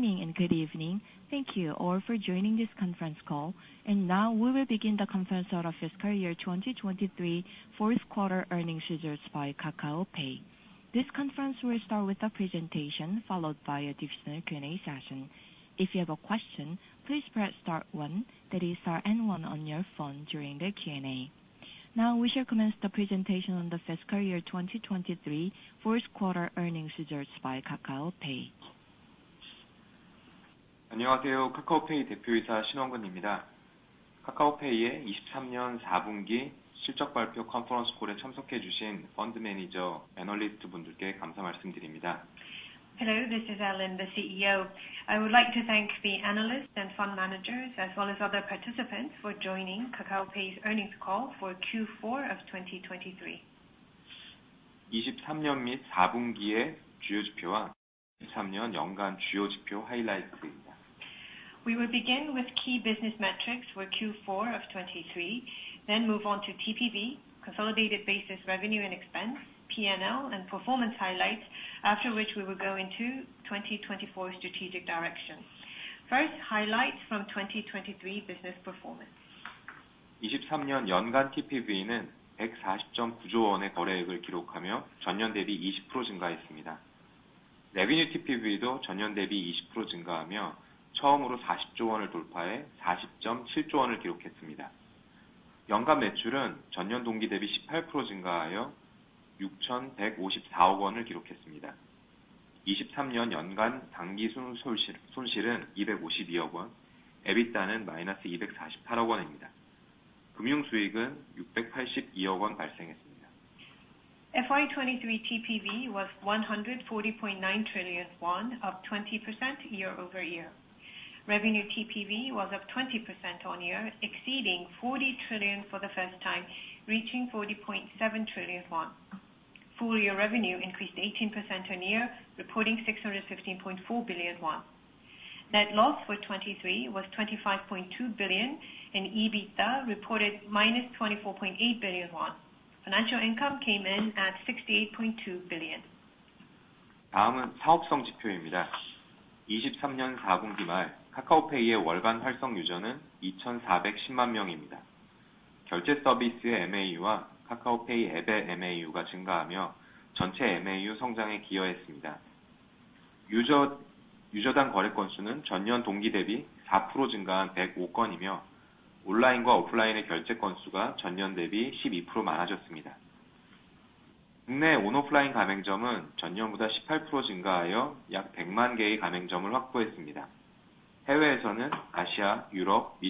Good morning, and good evening. Thank you all for joining this conference call, and now we will begin the conference call of fiscal year 2023, Q4 earnings results by Kakao Pay. This conference will start with a presentation, followed by a divisional Q&A session. If you have a question, please press star one, that is star and one on your phone during the Q&A. Now, we shall commence the presentation on the fiscal year 2023, Q4 earnings results by Kakao Pay. Hello, this is Allen, the CEO. I would like to thank the analysts and fund managers, as well as other participants, for joining Kakao Pay's earnings call for Q4 of 2023. We will begin with key business metrics for Q4 of 2023, then move on to TPV, consolidated basis revenue and expense, P&L and performance highlights, after which we will go into 2024 strategic direction. First, highlights from 2023 business performance. FY 2023 TPV was KRW 140.9 trillion, up 20% year-over-year. Revenue TPV was up 20% on year, exceeding 40 trillion for the first time, reaching 40.7 trillion won. Full year revenue increased 18% on year, reporting 615.4 billion won. Net loss for 2023 was 25.2 billion, and EBITDA reported -24.8 billion won. Financial income came in at 68.2 billion. Moving on to business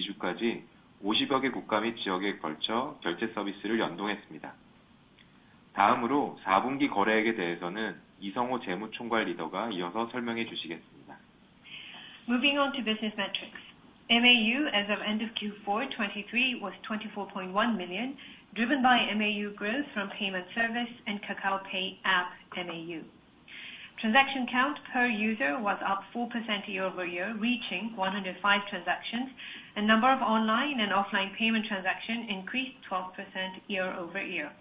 metrics. MAU as of end of Q4 2023 was 24.1 million, driven by MAU growth from payment service and Kakao Pay App MAU. Transaction count per user was up 4% year-over-year, reaching 105 transactions, and number of online and offline payment transactions increased 12% year-over-year.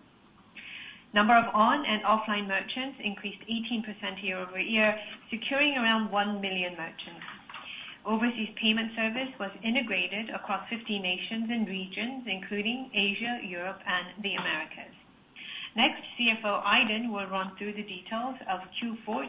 Number of online and offline merchants increased 18% year-over-year, securing around 1 million merchants. Overseas payment service was integrated across 50 nations and regions, including Asia, Europe, and the Americas. Next, CFO Iden will run through the details of Q4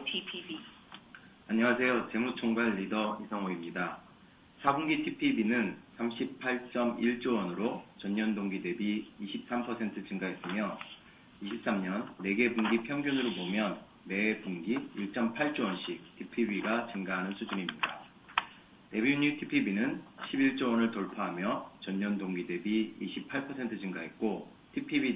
TPV.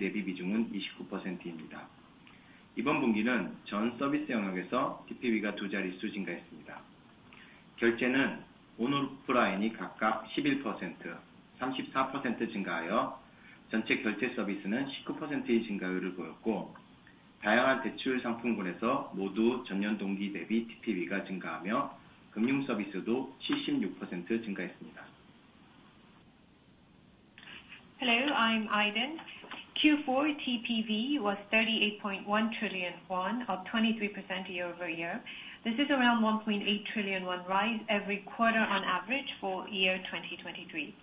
Hello, I'm Iden. Q4 TPV was 38.1 trillion won, up 23% year-over-year. This is around 1.8 trillion won rise every quarter on average for year 2023.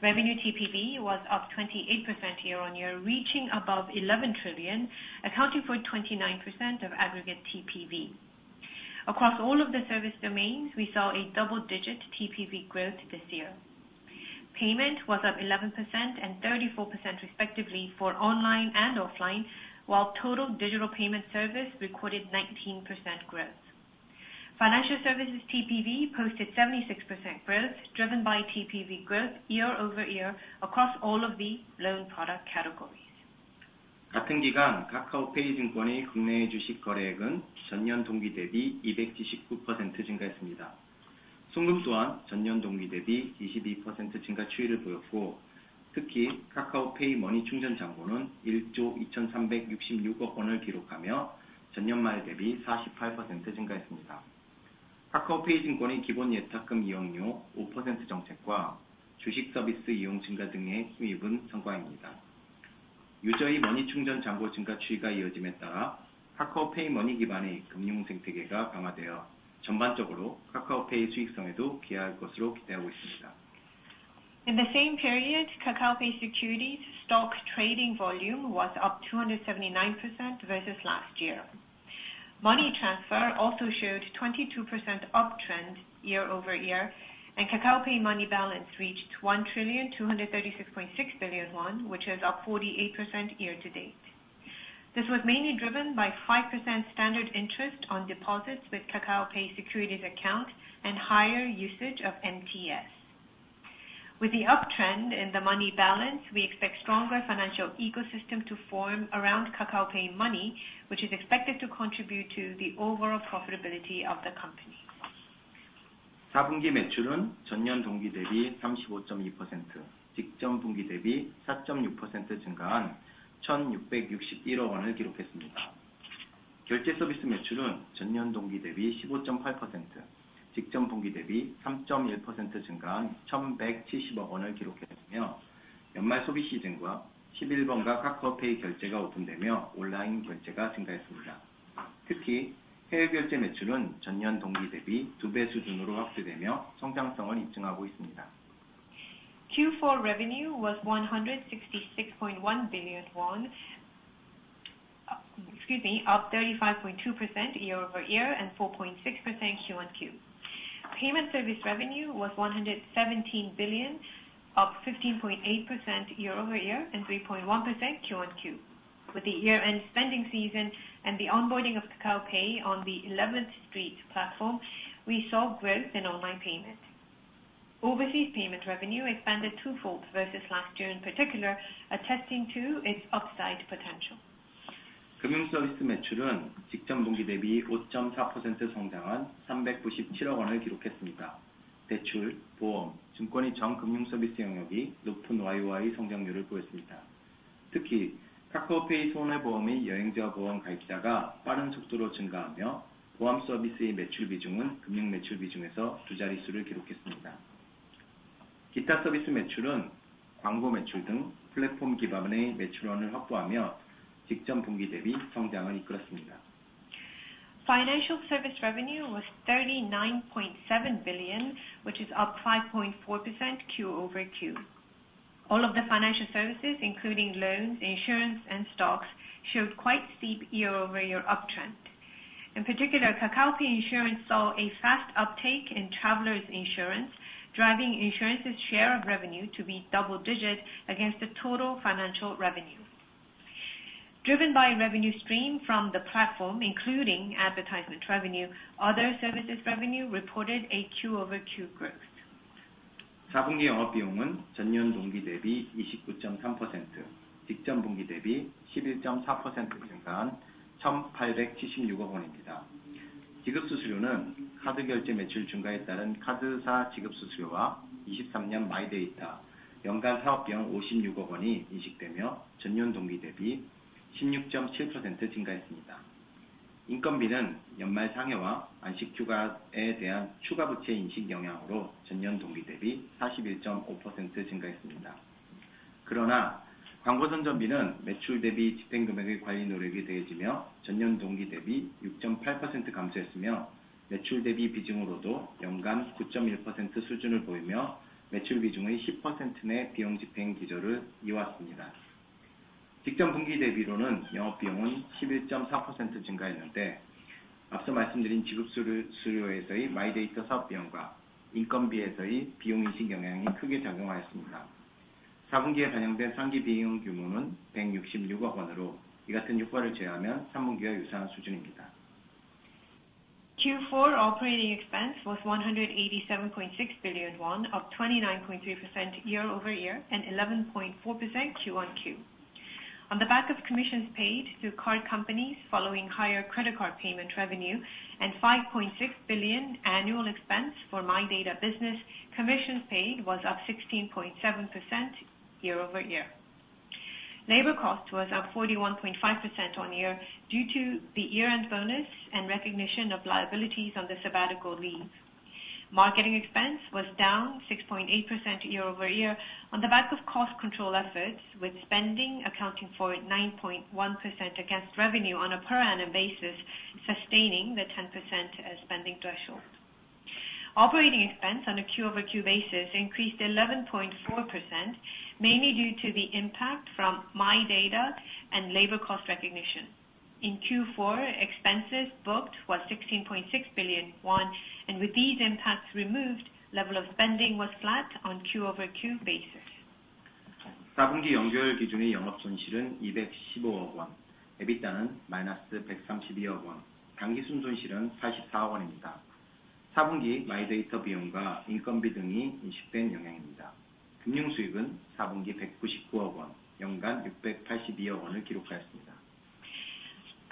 Revenue TPV was up 28% year-on-year, reaching above 11 trillion, accounting for 29% of aggregate TPV. Across all of the service domains, we saw a double-digit TPV growth this year. Payment was up 11% and 34% respectively for online and offline, while total digital payment service recorded 19% growth. Financial services TPV posted 76% growth, driven by TPV growth year-over-year across all of the loan product categories. User의 money 충전 잔고 증가 추이가 이어짐에 따라, 카카오페이 머니 기반의 금융 생태계가 강화되어 전반적으로 카카오페이 수익성에도 기여할 것으로 기대하고 있습니다. In the same period, Kakao Pay Securities stock trading volume was up 279% versus last year. Money transfer also showed 22% uptrend year-over-year, and Kakao Pay Money balance reached 1,236.6 billion won, which is up 48% year-to-date. This was mainly driven by 5% standard interest on deposits with Kakao Pay Securities account and higher usage of MTS. With the uptrend in the money balance, we expect stronger financial ecosystem to form around Kakao Pay Money, which is expected to contribute to the overall profitability of the company. 4분기 매출은 전년 동기 대비 35.2%, 직전 분기 대비 4.6% 증가한 1,661억 원을 기록했습니다. 결제 서비스 매출은 전년 동기 대비 15.8%, 직전 분기 대비 3.1% 증가한 1,170억 원을 기록했으며, 연말 소비 시즌과 십일번과 카카오페이 결제가 오픈되며 온라인 결제가 증가했습니다. 특히, 해외 결제 매출은 전년 동기 대비 두배 수준으로 확대되며 성장성을 입증하고 있습니다. Q4 revenue was 166.1 billion won. Excuse me, up 35.2% year-over-year, and 4.6% Q-on-Q. Payment service revenue was 117 billion, up 15.8% year-over-year, and 3.1% Q-on-Q. With the year-end spending season and the onboarding of Kakao Pay on the 11th Street platform, we saw growth in online payment. Overseas payment revenue expanded two-fold versus last year, in particular, attesting to its upside potential. 금융 서비스 매출은 직전 분기 대비 5.4% 성장한 397억 원을 기록했습니다. 대출, 보험, 증권의 전 금융 서비스 영역이 높은 YOY 성장률을 보였습니다. 특히, 카카오페이 손해 보험의 여행자 보험 가입자가 빠른 속도로 증가하며, 보험 서비스의 매출 비중은 금융 매출 비중에서 두 자릿수를 기록했습니다. 기타 서비스 매출은 광고 매출 등 플랫폼 기반의 매출원을 확보하며, 직전 분기 대비 성장을 이끌었습니다. Financial service revenue was 39.7 billion, which is up 5.4% Q-over-Q. All of the financial services, including loans, insurance, and stocks, showed quite steep year-over-year uptrend. In particular, Kakao Pay Insurance saw a fast uptake in travelers insurance, driving insurance's share of revenue to be double-digit against the total financial revenue. Driven by revenue stream from the platform, including advertisement revenue, other services revenue reported a Q-over-Q growth. 4분기 영업 비용은 전년 동기 대비 29.3%, 직전 분기 대비 11.4% 증가한 KRW 187,600,000,000입니다. 지급 수수료는 카드 결제 매출 증가에 따른 카드사 지급 수수료와 2023년 마이데이터 연간 사업비용 KRW 5,600,000,000이 인식되며, 전년 동기 대비 16.7% 증가했습니다. 인건비는 연말 상여와 안식 휴가에 대한 추가 부채 인식 영향으로 전년 동기 대비 41.5% 증가했습니다. 그러나 광고 선전비는 매출 대비 집행 금액의 관리 노력에 대해지며, 전년 동기 대비 6.8% 감소했으며, 매출 대비 비중으로도 연간 9.1% 수준을 보이며, 매출 비중의 10% 내 비용 집행 기조를 이어왔습니다. 직전 분기 대비로는 영업 비용은 11.4% 증가했는데, 앞서 말씀드린 지급 수수료에서의 마이데이터 사업 비용과 인건비에서의 비용 인식 영향이 크게 작용하였습니다. 4분기에 반영된 상여 비용 규모는 KRW 16,600,000,000으로, 이 같은 효과를 제외하면 3분기와 유사한 수준입니다. Q4 operating expense was 187.6 billion won, up 29.3% year-over-year and 11.4% Q-over-Q. On the back of commissions paid through card companies following higher credit card payment revenue and 5.6 billion annual expense for MyData business, commissions paid was up 16.7% year-over-year. Labor cost was up 41.5% year-over-year, due to the year-end bonus and recognition of liabilities on the sabbatical leave. Marketing expense was down 6.8% year-over-year on the back of cost control efforts, with spending accounting for 9.1% against revenue on a per annum basis, sustaining the 10% spending threshold. Operating expense on a Q-over-Q basis increased 11.4%, mainly due to the impact from MyData and labor cost recognition. In Q4, expenses booked was 16.6 billion won, and with these impacts removed, level of spending was flat on Q-over-Q basis. 4분기 연결 기준의 영업 손실은 210억 원, EBITDA는 -132억 원, 당기순손실은 44억 원입니다. 4분기 마이데이터 비용과 인건비 등이 인식된 영향입니다. 금융수익은 4분기 199억 원, 연간 682억 원을 기록하였습니다.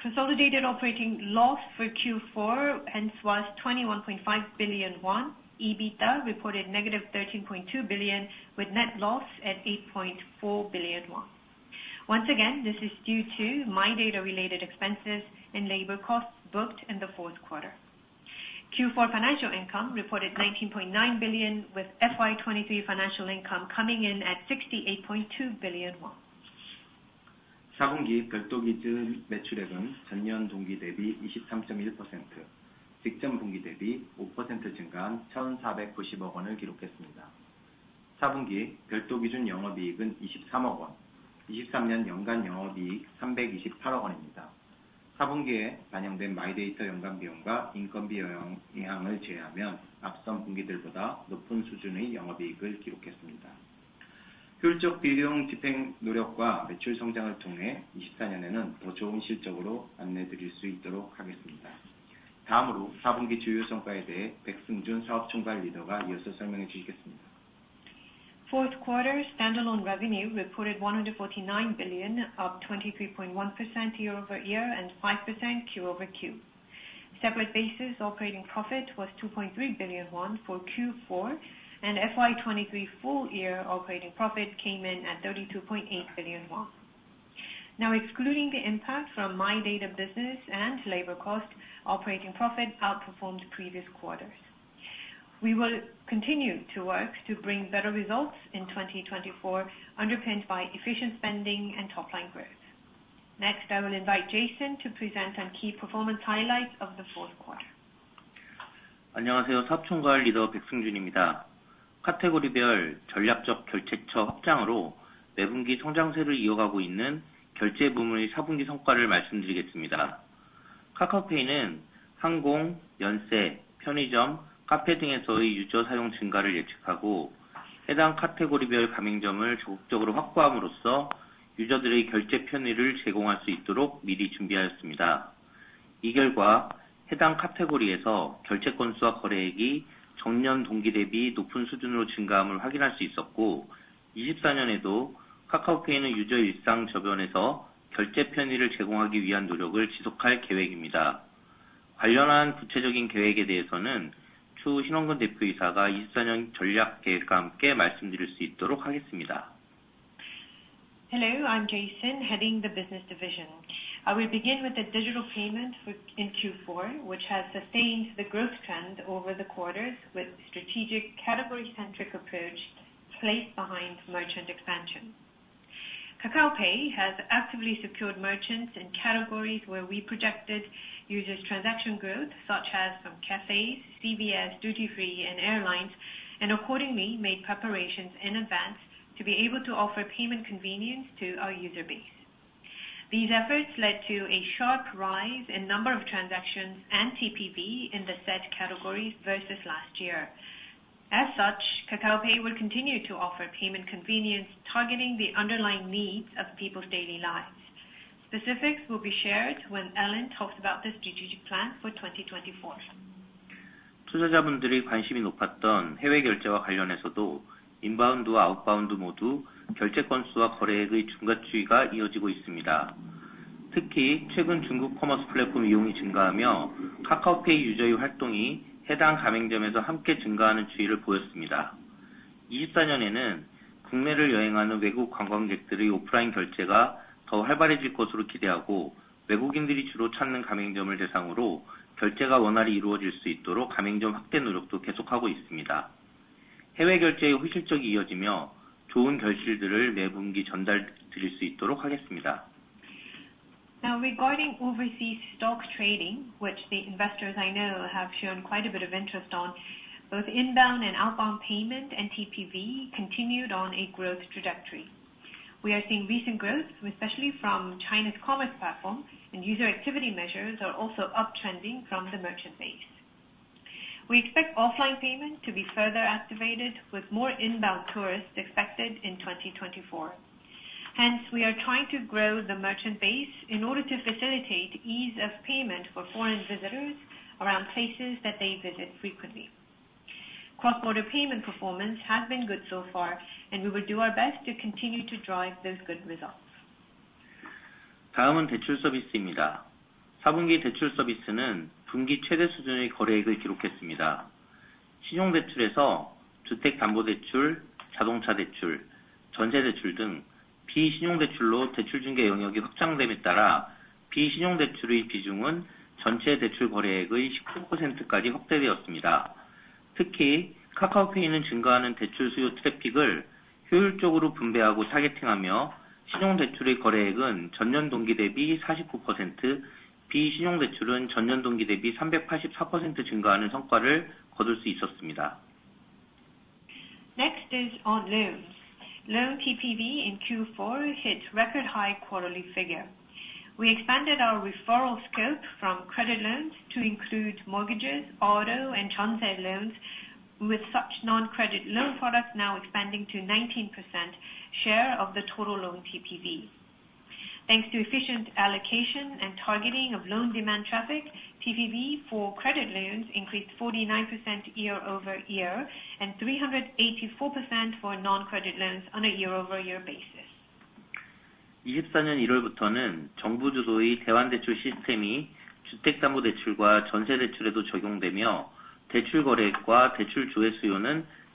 Consolidated operating loss for Q4, hence, was 21.5 billion won. EBITDA reported negative 13.2 billion with net loss at 8.4 billion won. Once again, this is due to MyData related expenses and labor costs booked in the Q4. Q4 financial income reported 19.9 billion, with FY23 financial income coming in at KRW 68.2 billion. Q4 standalone revenue reported 149 billion, up 23.1% year-over-year and 5% Q-over-Q. Separate basis operating profit was 2.3 billion won for Q4, and FY23 full year operating profit came in at 32.8 billion won. Now, excluding the impact from MyData business and labor cost, operating profit outperformed previous quarters. We will continue to work to bring better results in 2024, underpinned by efficient spending and top line growth. Next, I will invite Jason to present on key performance highlights of the Q4. Hello, I'm Jason, heading the Business Division. I will begin with the digital payments within Q4, which has sustained the growth trend over the quarters with strategic category-centric approach placed behind merchant expansion. Kakao Pay has actively secured merchants in categories where we projected user transaction growth, such as from cafes, CVS, duty free, and airlines, and accordingly made preparations in advance to be able to offer payment convenience to our user base. These efforts led to a sharp rise in number of transactions and TPV in the said categories versus last year. As such, Kakao Pay will continue to offer payment convenience, targeting the underlying needs of people's daily lives. Specifics will be shared when Allen talks about the strategic plan for 2024. Now, regarding overseas stock trading, which the investors I know have shown quite a bit of interest on, both inbound and outbound payment, and TPV continued on a growth trajectory. We are seeing recent growth, especially from China's commerce platform, and user activity measures are also uptrending from the merchant base. We expect offline payment to be further activated, with more inbound tourists expected in 2024. Hence, we are trying to grow the merchant base in order to facilitate ease of payment for foreign visitors around places that they visit frequently. Cross-border payment performance has been good so far, and we will do our best to continue to drive those good results. Next is on loans. Loan TPV in Q4 hit record high quarterly figure. We expanded our referral scope from credit loans to include mortgages, auto, and Jeonse loans, with such non-credit loan products now expanding to 19% share of the total loan TPV. Thanks to efficient allocation and targeting of loan demand traffic, TPV for credit loans increased 49% year-over-year, and 384% for non-credit loans on a year-over-year basis. foreign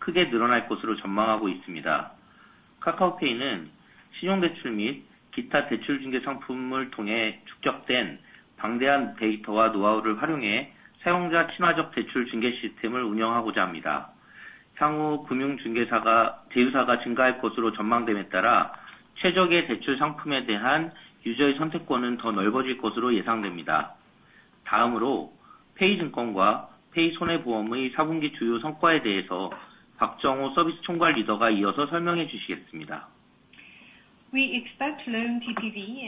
language... 카카오페이는 신용대출 및 기타 대출중개 상품을 통해 축적된 방대한 데이터와 노하우를 활용해 사용자 친화적 대출 중개 시스템을 운영하고자 합니다. 향후 금융중개사가 대리사가 증가할 것으로 전망됨에 따라, 최적의 대출 상품에 대한 유저의 선택권은 더 넓어질 것으로 예상됩니다. 다음으로 페이증권과 페이손해보험의 사분기 주요 성과에 대해서 박정호 서비스총괄 리더가 이어서 설명해 주시겠습니다. We expect loan TPV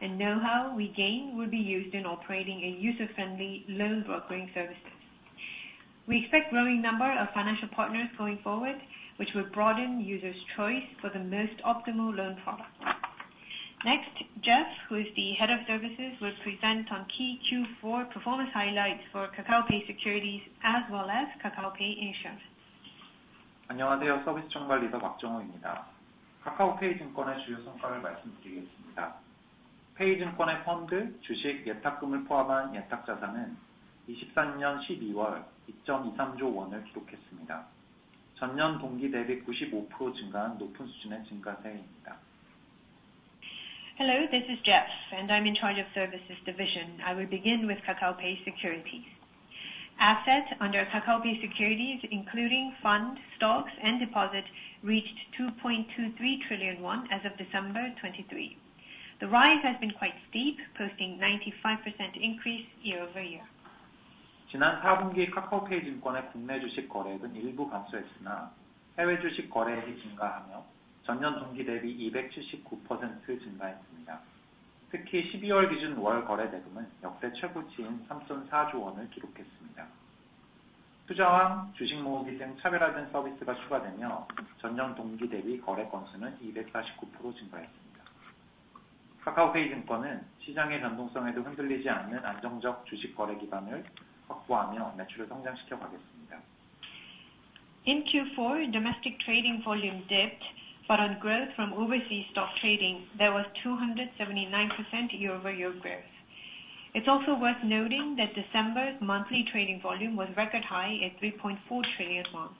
and demand for loan inquiries will grow significantly as government-led refinancing program will apply to mortgages and loan starting January of 2024. Data built up from offering such referral services for credit and non-credit products and know-how we gain will be used in operating a user-friendly loan brokering services. We expect growing number of financial partners going forward, which will broaden users' choice for the most optimal loan product. Next, Jeff, who is the Head of Services, will present on key Q4 performance highlights for KakaoPay Securities as well as KakaoPay Insurance. 안녕하세요, 서비스 총괄리더 박정호입니다. 카카오페이 증권의 주요 성과를 말씀드리겠습니다. 페이증권의 펀드, 주식, 예탁금을 포함한 예탁자산은 2023년 12월, 2.13조 원을 기록했습니다. 전년 동기 대비 95%로 증가한 높은 수준의 증가세입니다. Hello, this is Jeff, and I'm in charge of Services Division. I will begin with Kakao Pay Securities. Assets under Kakao Pay Securities, including funds, stocks, and deposits, reached 2.23 trillion won as of December 2023. The rise has been quite steep, posting 95% increase year-over-year. 지난 사분기 카카오페이 증권의 국내 주식 거래액은 일부 감소했으나, 해외 주식 거래액이 증가하며 전년 동기 대비 279% 증가했습니다. 특히 12월 기준 월 거래 대금은 역대 최고치인 3.4조 원을 기록했습니다. 투자왕, 주식 모의고사 등 차별화된 서비스가 추가되며, 전년 동기 대비 거래 건수는 249% 증가했습니다. 카카오페이 증권은 시장의 변동성에도 흔들리지 않는 안정적 주식거래 기반을 확보하며 매출을 성장시켜 가겠습니다. In Q4, domestic trading volume dipped, but on growth from overseas stock trading, there was 279% year-over-year growth. It's also worth noting that December's monthly trading volume was record high at 3.4 trillion won.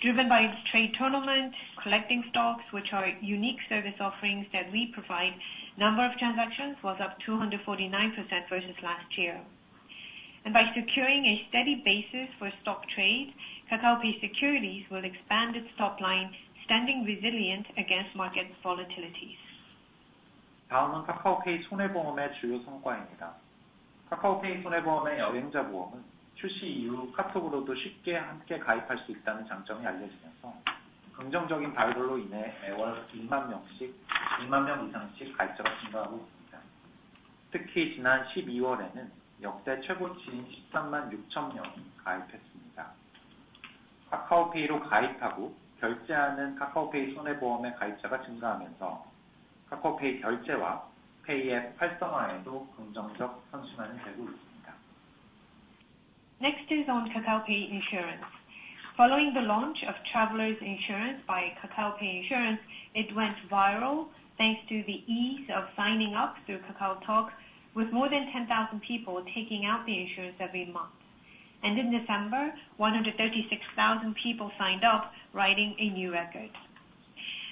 Driven by its trade tournament, collecting stocks, which are unique service offerings that we provide, number of transactions was up 249% versus last year. By securing a steady basis for stock trade, Kakao Pay Securities will expand its top line, standing resilient against market volatilities. 다음은 카카오페이 손해보험의 주요 성과입니다. 카카오페이 손해보험의 여행자보험은 출시 이후 카톡으로도 쉽게 함께 가입할 수 있다는 장점이 알려지면서, 긍정적인 바이럴로 인해 매월 20,000명씩, 20,000명 이상씩 가입자가 증가하고 있습니다. 특히 지난 12월에는 역대 최고치인 130,600명이 가입했습니다. 카카오페이로 가입하고 결제하는 카카오페이 손해보험의 가입자가 증가하면서 카카오페이 결제와 페이앱 활성화에도 긍정적 선순환이 되고 있습니다. Next is on Kakao Pay Insurance. Following the launch of Travelers Insurance by Kakao Pay Insurance, it went viral thanks to the ease of signing up through KakaoTalk, with more than 10,000 people taking out the insurance every month. In November, 136,000 people signed up, writing a new record.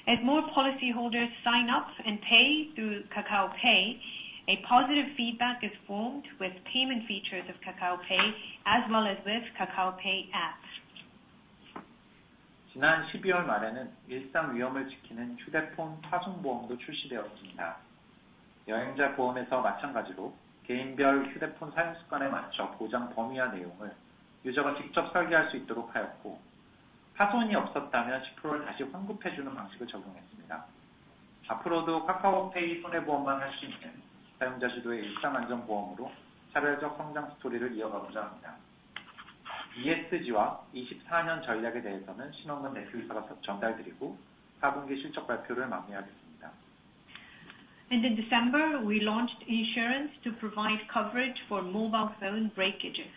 As more policyholders sign up and pay through Kakao Pay, a positive feedback is formed with payment features of Kakao Pay as well as with Kakao Pay app. 지난 12월 말에는 일상 위험을 지키는 휴대폰 파손보험도 출시되었습니다. 여행자보험에서 마찬가지로 개인별 휴대폰 사용 습관에 맞춰 보장 범위와 내용을 유저가 직접 설계할 수 있도록 하였고, 파손이 없었다면 10%를 다시 환급해 주는 방식을 적용했습니다. 앞으로도 카카오페이 손해보험만 할수 있는 사용자 주도의 일상 안전보험으로 차별적 성장 스토리를 이어가고자 합니다. ESG와 2024년 전략에 대해서는 신원근 대표이사께서 전달드리고, 사분기 실적 발표를 마무리하겠습니다. In December, we launched insurance to provide coverage for mobile phone breakages.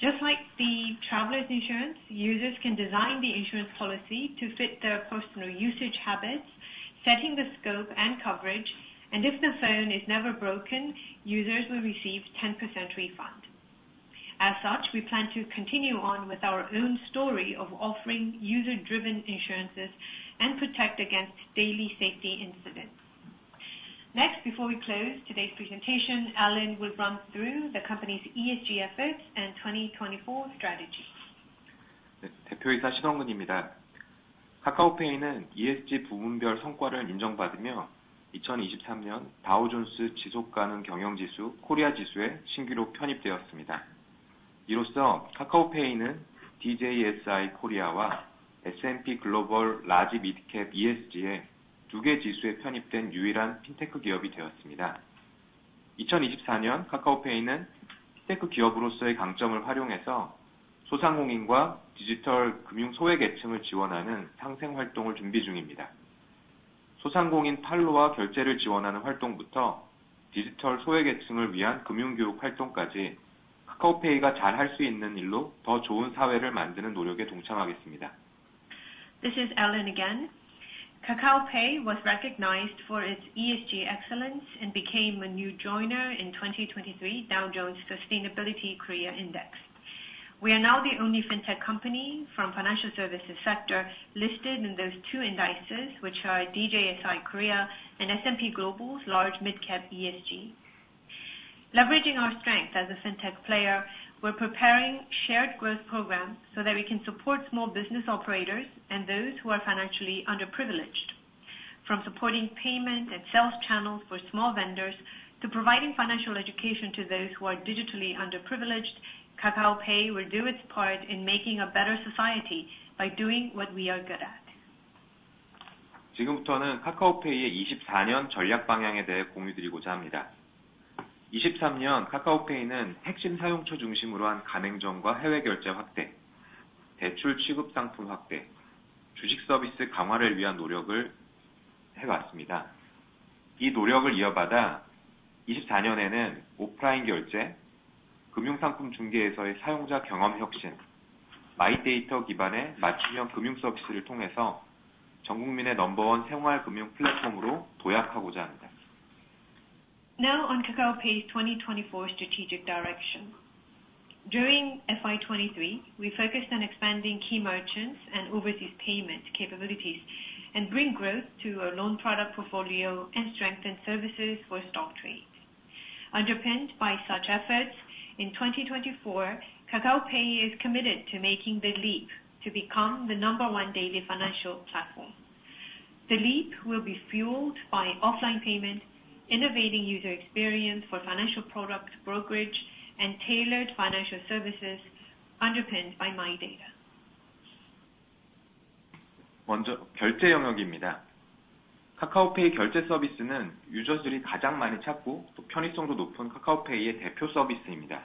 Just like the traveler's insurance, users can design the insurance policy to fit their personal usage habits, setting the scope and coverage, and if the phone is never broken, users will receive 10% refund. As such, we plan to continue on with our own story of offering user-driven insurances and protect against daily safety incidents. Next, before we close today's presentation, Allen will run through the company's ESG efforts and 2024 strategy. 네, 대표이사 신원근입니다. 카카오페이는 ESG 부문별 성과를 인정받으며, 2023년 다우존스 지속가능경영지수 코리아지수에 신규로 편입되었습니다. 이로써 카카오페이는 DJSI 코리아와 S&P 글로벌 라지 미드캡 ESG에 두개 지수에 편입된 유일한 핀테크 기업이 되었습니다. 2024년 카카오페이는 핀테크 기업으로서의 강점을 활용해서 소상공인과 디지털 금융 소외계층을 지원하는 상생 활동을 준비 중입니다. ... 소상공인 판로와 결제를 지원하는 활동부터 디지털 소외계층을 위한 금융교육 활동까지, 카카오페이가 잘할수 있는 일로 더 좋은 사회를 만드는 노력에 동참하겠습니다. This is Allen again. Kakao Pay was recognized for its ESG excellence and became a new joiner in 2023 Dow Jones Sustainability Indices Korea. We are now the only Fintech company from financial services sector listed in those two indices, which are DJSI Korea and S&P Global LargeMidCap ESG Index. Leveraging our strength as a Fintech player, we're preparing shared growth programs so that we can support small business operators and those who are financially underprivileged. From supporting payment and sales channels for small vendors to providing financial education to those who are digitally underprivileged, Kakao Pay will do its part in making a better society by doing what we are good at. 지금부터는 카카오페이의 2024년 전략 방향에 대해 공유드리고자 합니다. 2023년 카카오페이는 핵심 사용처 중심으로 한 가맹점과 해외결제 확대, 대출 취급 상품 확대, 주식 서비스 강화를 위한 노력을 해왔습니다. 이 노력을 이어받아 2024년에는 오프라인 결제, 금융상품 중개에서의 사용자 경험 혁신, 마이데이터 기반의 맞춤형 금융 서비스를 통해서 전 국민의 넘버원 생활 금융 플랫폼으로 도약하고자 합니다. Now on Kakao Pay's 2024 strategic direction. During FY 2023, we focused on expanding key merchants and overseas payment capabilities, and bring growth to our loan product portfolio and strengthen services for stock trading. Underpinned by such efforts, in 2024, Kakao Pay is committed to making the leap to become the number one daily financial platform. The leap will be fueled by offline payment, innovating user experience for financial product brokerage, and tailored financial services underpinned by my data. 먼저 결제 영역입니다. 카카오페이 결제 서비스는 유저들이 가장 많이 찾고, 또 편의성도 높은 카카오페이의 대표 서비스입니다.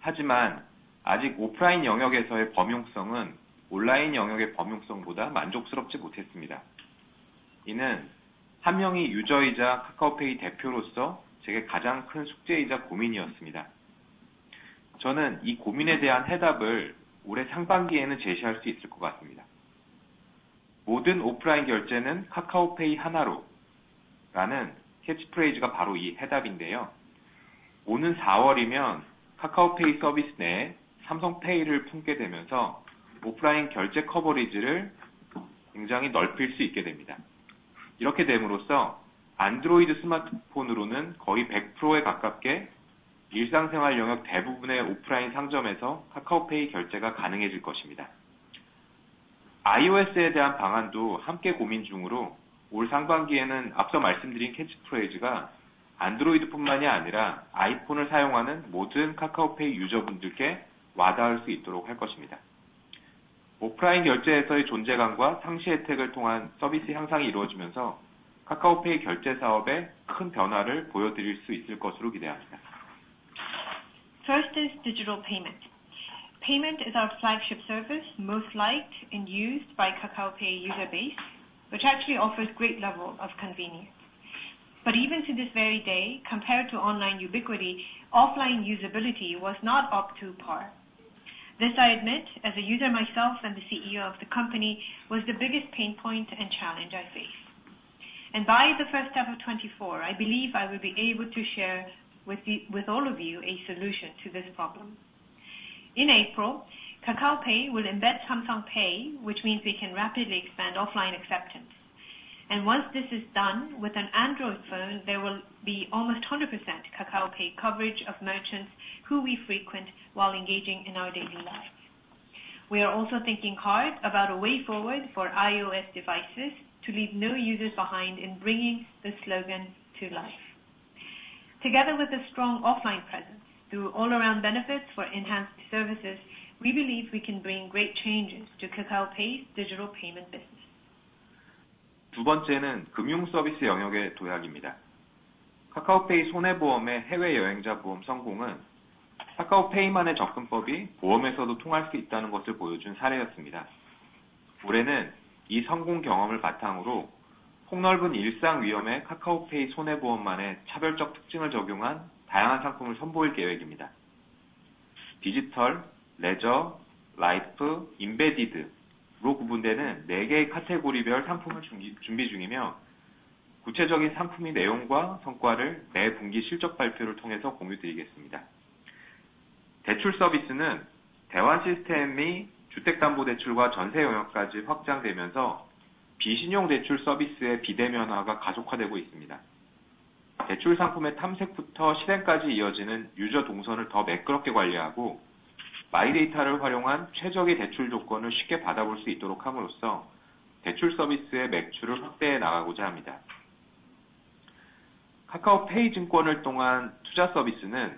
하지만 아직 오프라인 영역에서의 범용성은 온라인 영역의 범용성보다 만족스럽지 못했습니다. 이는 한 명의 유저이자 카카오페이 대표로서 제게 가장 큰 숙제이자 고민이었습니다. 저는 이 고민에 대한 해답을 올해 상반기에는 제시할 수 있을 것 같습니다. 모든 오프라인 결제는 카카오페이 하나로, 라는 캐치프레이즈가 바로 이 해답인데요. 오는 사월이면 카카오페이 서비스 내에 삼성페이를 품게 되면서 오프라인 결제 커버리지를 굉장히 넓힐 수 있게 됩니다. 이렇게 됨으로써 안드로이드 스마트폰으로는 거의 100%에 가깝게 일상생활 영역 대부분의 오프라인 상점에서 카카오페이 결제가 가능해질 것입니다. iOS에 대한 방안도 함께 고민 중으로, 올 상반기에는 앞서 말씀드린 캐치프레이즈가 안드로이드뿐만이 아니라 아이폰을 사용하는 모든 카카오페이 유저분들께 와 닿을 수 있도록 할 것입니다. 오프라인 결제에서의 존재감과 상시 혜택을 통한 서비스 향상이 이루어지면서 카카오페이 결제 사업에 큰 변화를 보여드릴 수 있을 것으로 기대합니다. First is digital payment. Payment is our flagship service, most liked and used by Kakao Pay user base, which actually offers great level of convenience. But even to this very day, compared to online ubiquity, offline usability was not up to par. This, I admit, as a user myself and the CEO of the company, was the biggest pain point and challenge I face. And by the first half of 2024, I believe I will be able to share with all of you, a solution to this problem. In April, Kakao Pay will embed Samsung Pay, which means we can rapidly expand offline acceptance. And once this is done with an Android phone, there will be almost 100% Kakao Pay coverage of merchants who we frequent while engaging in our daily lives. We are also thinking hard about a way forward for iOS devices to leave no users behind in bringing this slogan to life. Together with a strong offline presence through all around benefits for enhanced services, we believe we can bring great changes to Kakao Pay's digital payment business. 두 번째는 금융서비스 영역의 도약입니다. 카카오페이 손해보험의 해외여행자보험 성공은 카카오페이만의 접근법이 보험에서도 통할 수 있다는 것을 보여준 사례였습니다. 올해는 이 성공 경험을 바탕으로 폭넓은 일상 위험의 카카오페이 손해보험만의 차별적 특징을 적용한 다양한 상품을 선보일 계획입니다. 디지털, 레저, 라이프, 임베디드로 구분되는 네 개의 카테고리별 상품을 준비 중이며, 구체적인 상품의 내용과 성과를 매 분기 실적 발표를 통해서 공유드리겠습니다. 대출 서비스는 대환 시스템 및 주택담보대출과 전세 영역까지 확장되면서 비신용대출 서비스의 비대면화가 가속화되고 있습니다. 대출 상품의 탐색부터 실행까지 이어지는 유저 동선을 더 매끄럽게 관리하고, 마이데이터를 활용한 최적의 대출 조건을 쉽게 받아볼 수 있도록 함으로써 대출 서비스의 매출을 확대해 나가고자 합니다. 카카오페이 증권을 통한 투자 서비스는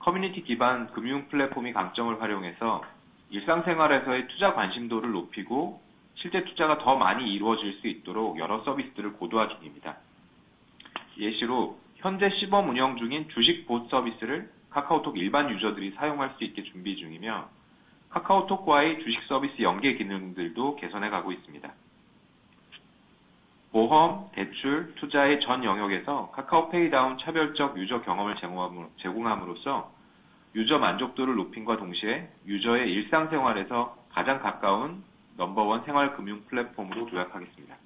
커뮤니티 기반 금융 플랫폼의 강점을 활용해서 일상생활에서의 투자 관심도를 높이고, 실제 투자가 더 많이 이루어질 수 있도록 여러 서비스들을 고도화할 계획입니다.... 예시로 현재 시범 운영 중인 주식 봇 서비스를 카카오톡 일반 유저들이 사용할 수 있게 준비 중이며, 카카오톡과의 주식 서비스 연계 기능들도 개선해 가고 있습니다. 보험, 대출, 투자의 전 영역에서 카카오페이다운 차별적 유저 경험을 제공함으로써 유저 만족도를 높임과 동시에 유저의 일상생활에서 가장 가까운 넘버원 생활 금융 플랫폼으로 도약하겠습니다.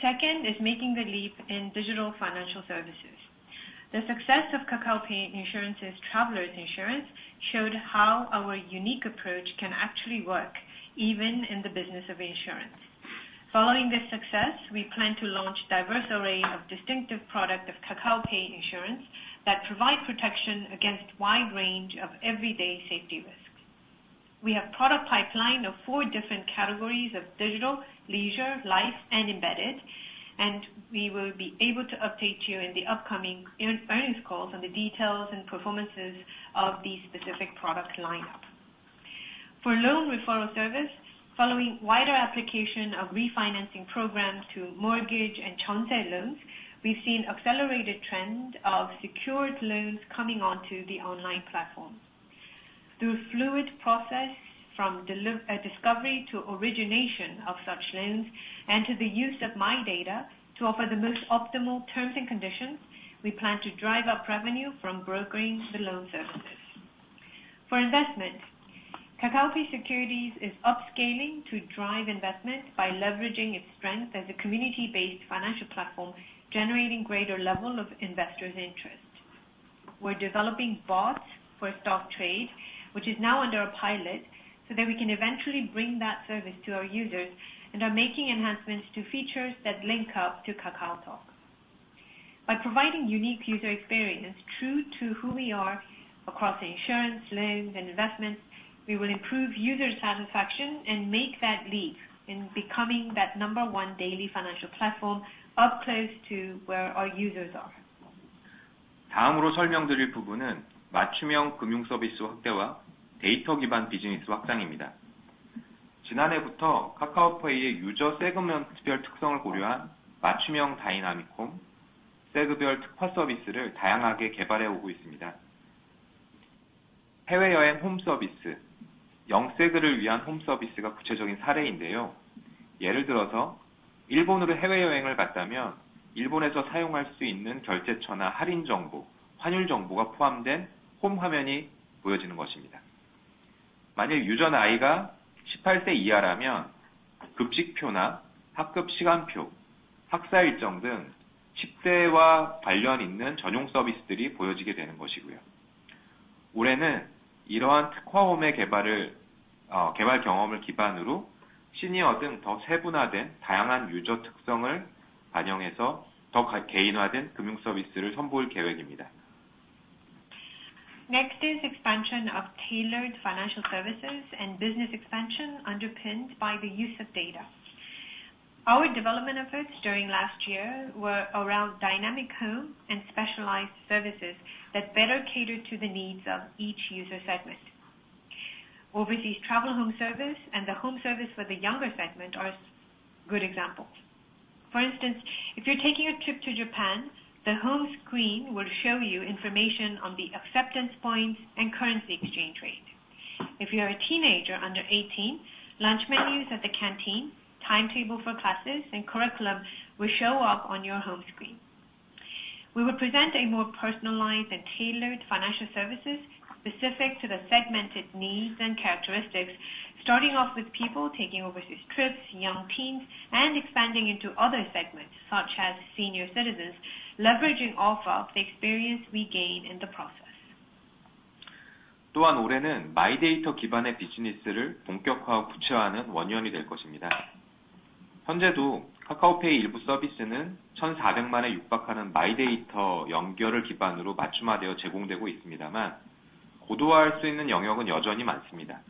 Second is making the leap in digital financial services. The success of Kakao Pay Insurance's traveler's insurance showed how our unique approach can actually work even in the business of insurance. Following this success, we plan to launch diverse array of distinctive product of Kakao Pay Insurance that provide protection against wide range of everyday safety risks. We have product pipeline of four different categories of digital, leisure, life, and embedded, and we will be able to update you in the upcoming earnings calls on the details and performances of these specific product lineup. For loan referral service, following wider application of refinancing programs to mortgage and Jeonse loans, we've seen accelerated trend of secured loans coming onto the online platform. Through fluid process from discovery to origination of such loans and to the use of MyData, to offer the most optimal terms and conditions, we plan to drive up revenue from brokering the loan services. For investment, Kakao Pay Securities is upscaling to drive investment by leveraging its strength as a community-based financial platform, generating greater level of investors' interest. We're developing bots for stock trade, which is now under a pilot, so that we can eventually bring that service to our users and are making enhancements to features that link up to KakaoTalk. By providing unique user experience true to who we are across insurance, loans, and investments, we will improve user satisfaction and make that leap in becoming that number one daily financial platform up close to where our users are. 다음으로 설명드릴 부분은 맞춤형 금융 서비스 확대와 데이터 기반 비즈니스 확장입니다. 지난해부터 카카오페이의 유저 세그먼트별 특성을 고려한 맞춤형 다이나믹 홈, 세그별 특화 서비스를 다양하게 개발해 오고 있습니다. 해외여행 홈 서비스, 영 세그를 위한 홈 서비스가 구체적인 사례인데요. 예를 들어서, 일본으로 해외여행을 갔다면 일본에서 사용할 수 있는 결제처나 할인 정보, 환율 정보가 포함된 홈 화면이 보여지는 것입니다. 만일 유저 아이가 십팔세 이하라면, 급식표나 학급 시간표, 학사 일정 등 식대와 관련 있는 전용 서비스들이 보여지게 되는 것이고요. 올해는 이러한 특화 홈의 개발을, 개발 경험을 기반으로 시니어 등더 세분화된 다양한 유저 특성을 반영해서 더 개인화된 금융 서비스를 선보일 계획입니다. Next is expansion of tailored financial services and business expansion underpinned by the use of data. Our development efforts during last year were around dynamic home and specialized services that better cater to the needs of each user segment. Overseas travel home service and the home service for the younger segment are good examples. For instance, if you're taking a trip to Japan, the home screen will show you information on the acceptance points and currency exchange rate. If you are a teenager under 18, lunch menus at the canteen, timetable for classes, and curriculum will show up on your home screen. We will present a more personalized and tailored financial services specific to the segmented needs and characteristics, starting off with people taking overseas trips, young teens, and expanding into other segments, such as senior citizens, leveraging off of the experience we gain in the process. 또한 올해는 MyData 기반의 비즈니스를 본격화, 구체화하는 원년이 될 것입니다. 현재도 카카오페이 일부 서비스는 1,000만에 육박하는 MyData 연결을 기반으로 맞춤화되어 제공되고 있습니다만, 고도화할 수 있는 영역은 여전히 많습니다.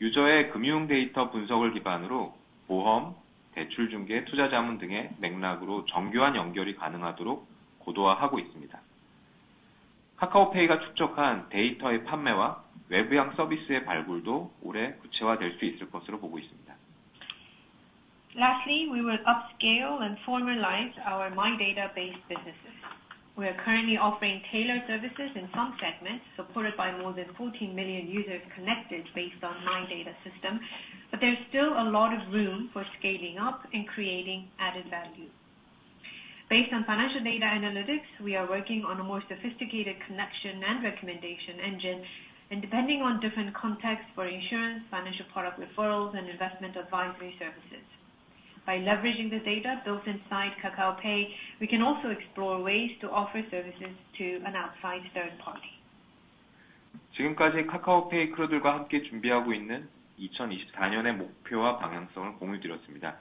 유저의 금융 데이터 분석을 기반으로 보험, 대출 중개, 투자 자문 등의 맥락으로 정교한 연결이 가능하도록 고도화하고 있습니다. 카카오페이가 축적한 데이터의 판매와 외부향 서비스의 발굴도 올해 구체화될 수 있을 것으로 보고 있습니다. Lastly, we will upscale and formalize our MyData-based businesses. We are currently offering tailored services in some segments, supported by more than 14 million users connected based on MyData system, but there's still a lot of room for scaling up and creating added value. Based on financial data analytics, we are working on a more sophisticated connection and recommendation engine, and depending on different contexts for insurance, financial product referrals, and investment advisory services. By leveraging the data built inside Kakao Pay, we can also explore ways to offer services to an outside third party. 지금까지 카카오페이 크루들과 함께 준비하고 있는 2024년의 목표와 방향성을 공유드렸습니다.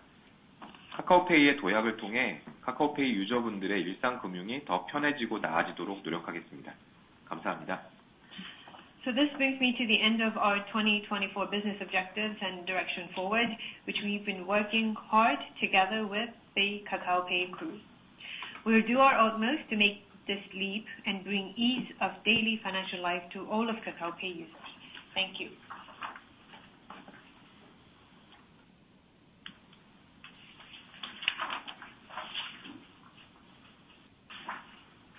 카카오페이의 도약을 통해 카카오페이 유저분들의 일상 금융이 더 편해지고 나아지도록 노력하겠습니다. 감사합니다. So this brings me to the end of our 2024 business objectives and direction forward, which we've been working hard together with the Kakao Pay crew. We will do our utmost to make this leap and bring ease of daily financial life to all of Kakao Pay users. Thank you!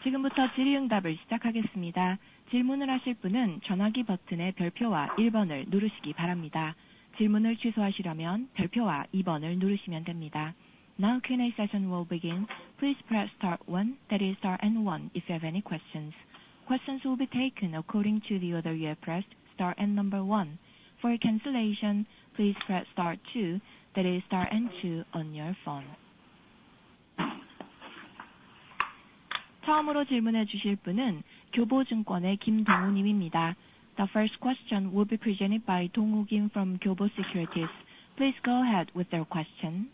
지금부터 질의응답을 시작하겠습니다. 질문을 하실 분은 전화기 버튼의 별표와 일번을 누르시기 바랍니다. 질문을 취소하시려면 별표와 이번을 누르시면 됩니다. Now Q&A session will begin. Please press star one, that is star and one, if you have any questions. Questions will be taken according to the order you have pressed star and number one. For cancellation, please press star two, that is star and two on your phone. 처음으로 질문해 주실 분은 교보증권의 김동우님입니다. The first question will be presented by Dong-woo Kim from Kyobo Securities. Please go ahead with your question.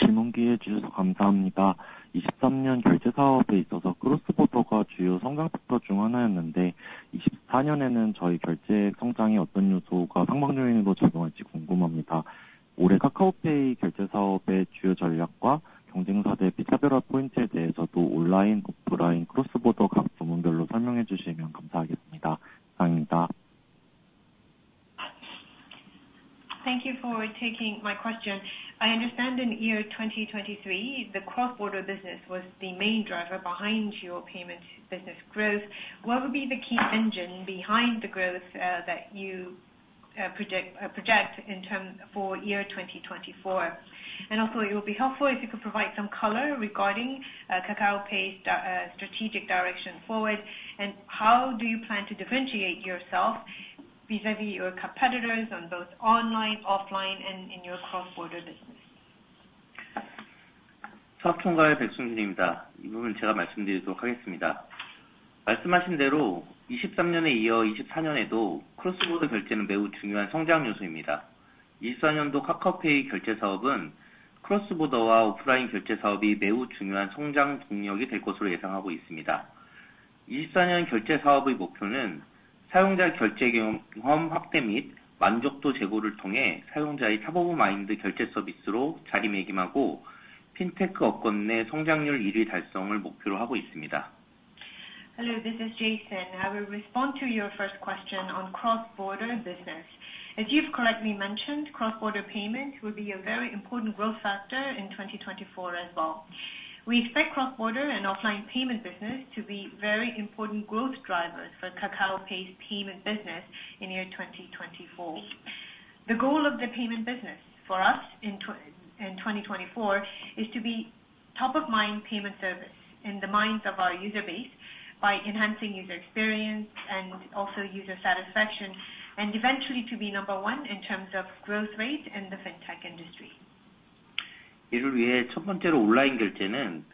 질문 기회 주셔서 감사합니다. 2023년 결제 사업에 있어서 크로스보더가 주요 성장 섹터 중 하나였는데, 2024년에는 저희 결제 성장이 어떤 요소가 상승 요인으로 작용할지 궁금합니다. 올해 카카오페이 결제 사업의 주요 전략과 경쟁사 대비 차별화 포인트에 대해서도 온라인, 오프라인, 크로스보더 각 부문별로 설명해 주시면 감사하겠습니다. 감사합니다. Thank you for taking my question. I understand in year 2023, the cross-border business was the main driver behind your payment business growth. What would be the key engine behind the growth, that you, predict, project in terms for year 2024? And also it will be helpful if you could provide some color regarding, Kakao Pay, strategic direction forward, and how do you plan to differentiate yourself vis-a-vis your competitors on both online, offline and in your cross-border business? 서학총괄 백승준입니다. 이 부분 제가 말씀드리겠습니다. 말씀하신 대로 2023년에 이어 2024년에도 크로스보더 결제는 매우 중요한 성장 요소입니다. 2024년도 카카오페이 결제 사업은 크로스보더와 오프라인 결제 사업이 매우 중요한 성장 동력이 될 것으로 예상하고 있습니다. 2024년 결제 사업의 목표는 사용자 결제 경험 확대 및 만족도 제고를 통해 사용자의 탑오브마인드 결제 서비스로 자리매김하고, 핀테크 업권 내 성장률 1위 달성을 목표로 하고 있습니다. Hello, this is Jason. I will respond to your first question on cross-border business. As you've correctly mentioned, cross-border payment will be a very important growth factor in 2024 as well. We expect cross-border and offline payment business to be very important growth drivers for Kakao Pay's payment business in year 2024. The goal of the payment business for us in 2024 is to be top of mind payment service in the minds of our user base by enhancing user experience and also user satisfaction, and eventually to be number one in terms of growth rate in the Fintech industry. 이를 위해 첫 번째로 온라인 결제는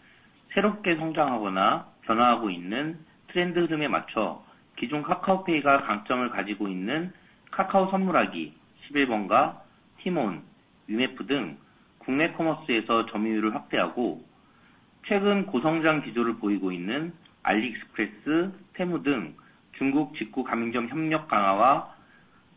새롭게 성장하거나 변화하고 있는 트렌드 등에 맞춰 기존 카카오페이가 강점을 가지고 있는 카카오 선물하기, 십일번가, 티몬, 위메프 등 국내 커머스에서 점유율을 확대하고, 최근 고성장 기조를 보이고 있는 알리익스프레스, 테무 등 중국 직구 가맹점 협력 강화와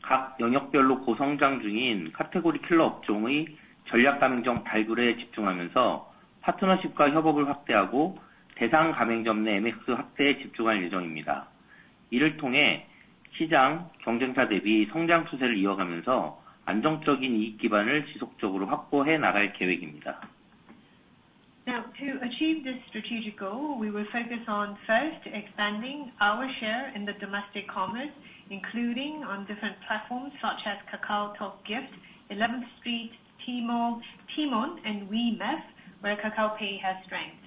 각 영역별로 고성장 중인 카테고리 킬러 업종의 전략 가맹점 발굴에 집중하면서 파트너십과 협업을 확대하고, 대상 가맹점 내 MX 확대에 집중할 예정입니다. 이를 통해 시장 경쟁사 대비 성장 추세를 이어가면서 안정적인 이익 기반을 지속적으로 확보해 나갈 계획입니다. Now, to achieve this strategic goal, we will focus on first, expanding our share in the domestic commerce, including on different platforms such as KakaoTalk Gift, Eleventh Street, Tmall, TMON, and Wemakeprice, where Kakao Pay has strength.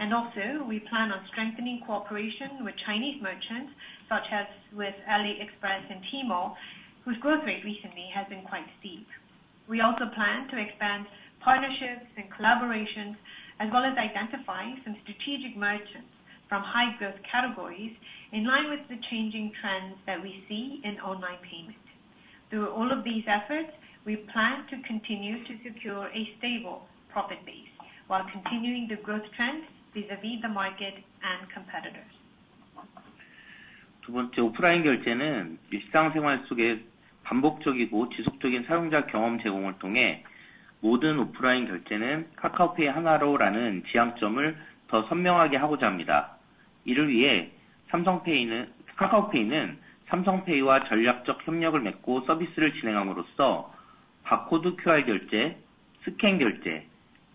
We also plan on strengthening cooperation with Chinese merchants, such as with AliExpress and Tmall, whose growth rate recently has been quite steep. We also plan to expand partnerships and collaborations, as well as identifying some strategic merchants from high growth categories in line with the changing trends that we see in online payment. Through all of these efforts, we plan to continue to secure a stable profit base while continuing the growth trends vis-à-vis the market and competitors. 두 번째, 오프라인 결제는 일상생활 속에 반복적이고 지속적인 사용자 경험 제공을 통해 모든 오프라인 결제는 카카오페이 하나로라는 지향점을 더 선명하게 하고자 합니다. 이를 위해 카카오페이는 삼성페이와 전략적 협력을 맺고 서비스를 진행함으로써 바코드, QR 결제, 스캔 결제,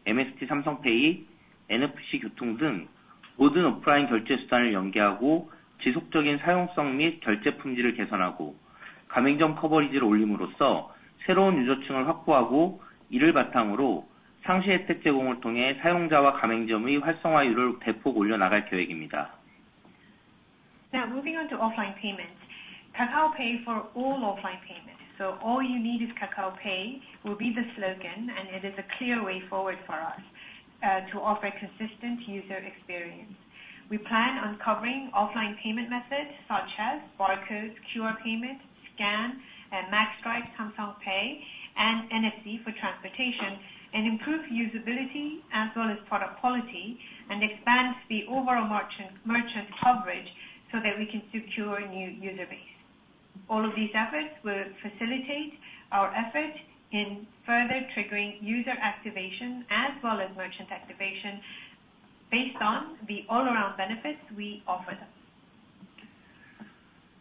MST 삼성페이, NFC 교통 등 모든 오프라인 결제 수단을 연계하고, 지속적인 사용성 및 결제 품질을 개선하고, 가맹점 커버리지를 올림으로써 새로운 유저층을 확보하고, 이를 바탕으로 상시 혜택 제공을 통해 사용자와 가맹점의 활성화율을 대폭 올려 나갈 계획입니다. Now, moving on to offline payments. Kakao Pay for all offline payments. So all you need is Kakao Pay will be the slogan, and it is a clear way forward for us, to offer consistent user experience. We plan on covering offline payment methods such as barcodes, QR payments, scan and magstripe, Samsung Pay, and NFC for transportation, and improve usability as well as product quality, and expand the overall merchant, merchant coverage so that we can secure new user base. All of these efforts will facilitate our effort in further triggering user activation as well as merchant activation.... Based on the all around benefits we offer.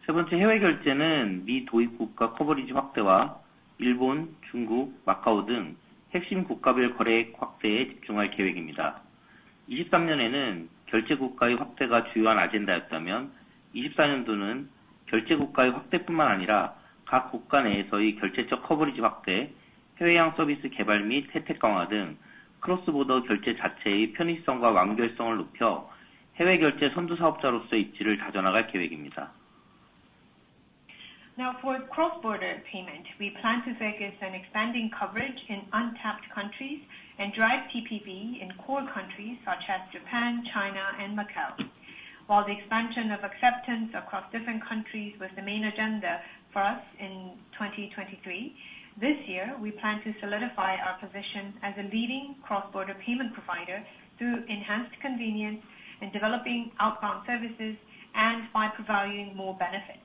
세 번째 해외 결제는 미 도입 국가 커버리지 확대와 일본, 중국, 마카오 등 핵심 국가별 거래액 확대에 집중할 계획입니다. 2023년에는 결제 국가의 확대가 주요한 아젠다였다면, 2024년도는 결제 국가의 확대뿐만 아니라 각 국가 내에서의 결제적 커버리지 확대, 해외향 서비스 개발 및 혜택 강화 등 크로스 보더 결제 자체의 편의성과 완결성을 높여 해외 결제 선두 사업자로서의 입지를 다져나갈 계획입니다. Now, for cross-border payment, we plan to focus on expanding coverage in untapped countries and drive TPV in core countries such as Japan, China and Macau. While the expansion of acceptance across different countries was the main agenda for us in 2023, this year we plan to solidify our position as a leading cross-border payment provider through enhanced convenience in developing outbound services and by providing more benefits.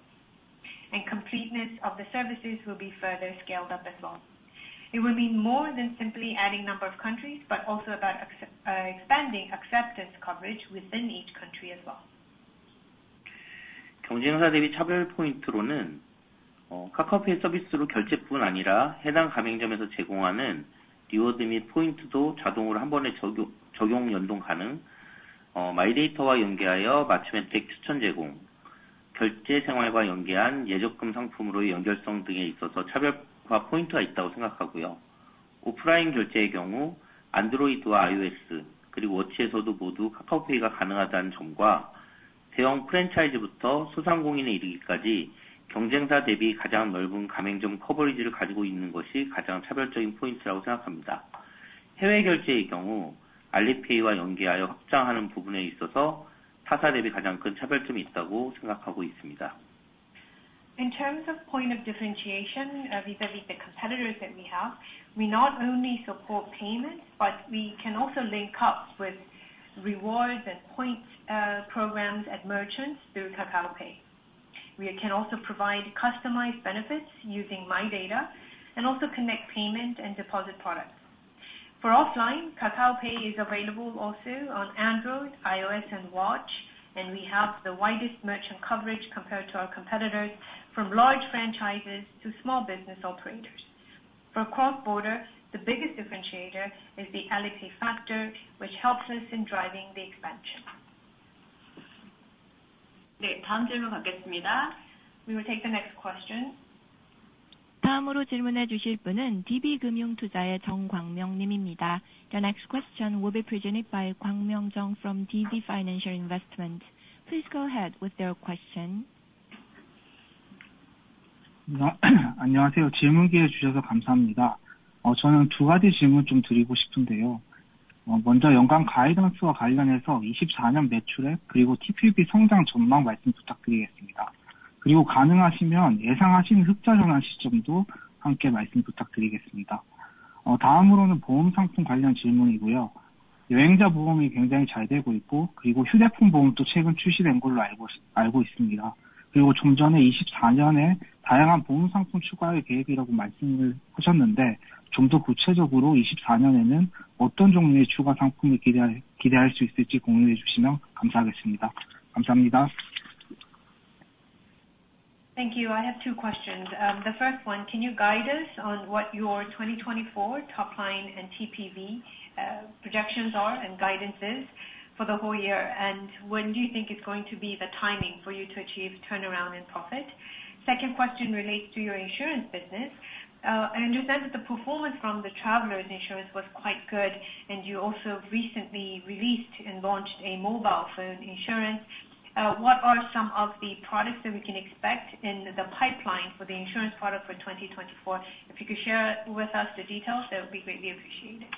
And completeness of the services will be further scaled up as well. It will mean more than simply adding number of countries, but also about expanding acceptance coverage within each country as well. 경쟁사 대비 차별 포인트로는, 카카오페이 서비스로 결제뿐 아니라 해당 가맹점에서 제공하는 리워드 및 포인트도 자동으로 한 번에 적용, 적용 연동 가능, 마이데이터와 연계하여 맞춤 혜택 추천 제공, 결제 생활과 연계한 예적금 상품으로의 연결성 등에 있어서 차별화 포인트가 있다고 생각하고요. 오프라인 결제의 경우 안드로이드와 iOS, 그리고 워치에서도 모두 카카오페이가 가능하다는 점과 대형 프랜차이즈부터 소상공인에 이르기까지 경쟁사 대비 가장 넓은 가맹점 커버리지를 가지고 있는 것이 가장 차별적인 포인트라고 생각합니다. 해외 결제의 경우 알리페이와 연계하여 확장하는 부분에 있어서 타사 대비 가장 큰 차별점이 있다고 생각하고 있습니다. In terms of point of differentiation, vis-à-vis the competitors that we have, we not only support payments, but we can also link up with rewards and points, programs at merchants through Kakao Pay. We can also provide customized benefits using MyData and also connect payment and deposit products. For offline, Kakao Pay is available also on Android, iOS, and Watch, and we have the widest merchant coverage compared to our competitors, from large franchises to small business operators. For cross-border, the biggest differentiator is the Alipay factor, which helps us in driving the expansion. 네, 다음 질문 받겠습니다. We will take the next question. 다음으로 질문해 주실 분은 DB금융투자의 정광명님입니다. The next question will be presented by Kwang-myung Jung from DB Financial Investment. Please go ahead with your question. 안녕하세요, 질문 기회 주셔서 감사합니다. 저는 두 가지 질문 좀 드리고 싶은데요. 먼저 연간 가이던스와 관련해서 2024년 매출액 그리고 TPV 성장 전망 말씀 부탁드리겠습니다. 그리고 가능하시면 예상하시는 흑자 전환 시점도 함께 말씀 부탁드리겠습니다. 다음으로는 보험 상품 관련 질문이고요. 여행자 보험이 굉장히 잘 되고 있고, 그리고 휴대폰 보험도 최근 출시된 걸로 알고 있습니다. 그리고 좀 전에 2024년에 다양한 보험 상품 추가할 계획이라고 말씀을 하셨는데, 좀더 구체적으로 2024년에는 어떤 종류의 추가 상품을 기대할 수 있을지 공유해 주시면 감사하겠습니다. 감사합니다. Thank you. I have two questions. The first one, can you guide us on what your 2024 top line and TPV projections are and guidances for the whole year? And when do you think is going to be the timing for you to achieve turnaround in profit? Second question relates to your insurance business. I understand that the performance from the travelers insurance was quite good, and you also recently released and launched a mobile phone insurance. What are some of the products that we can expect in the pipeline for the insurance product for 2024? If you could share with us the details, that would be greatly appreciated.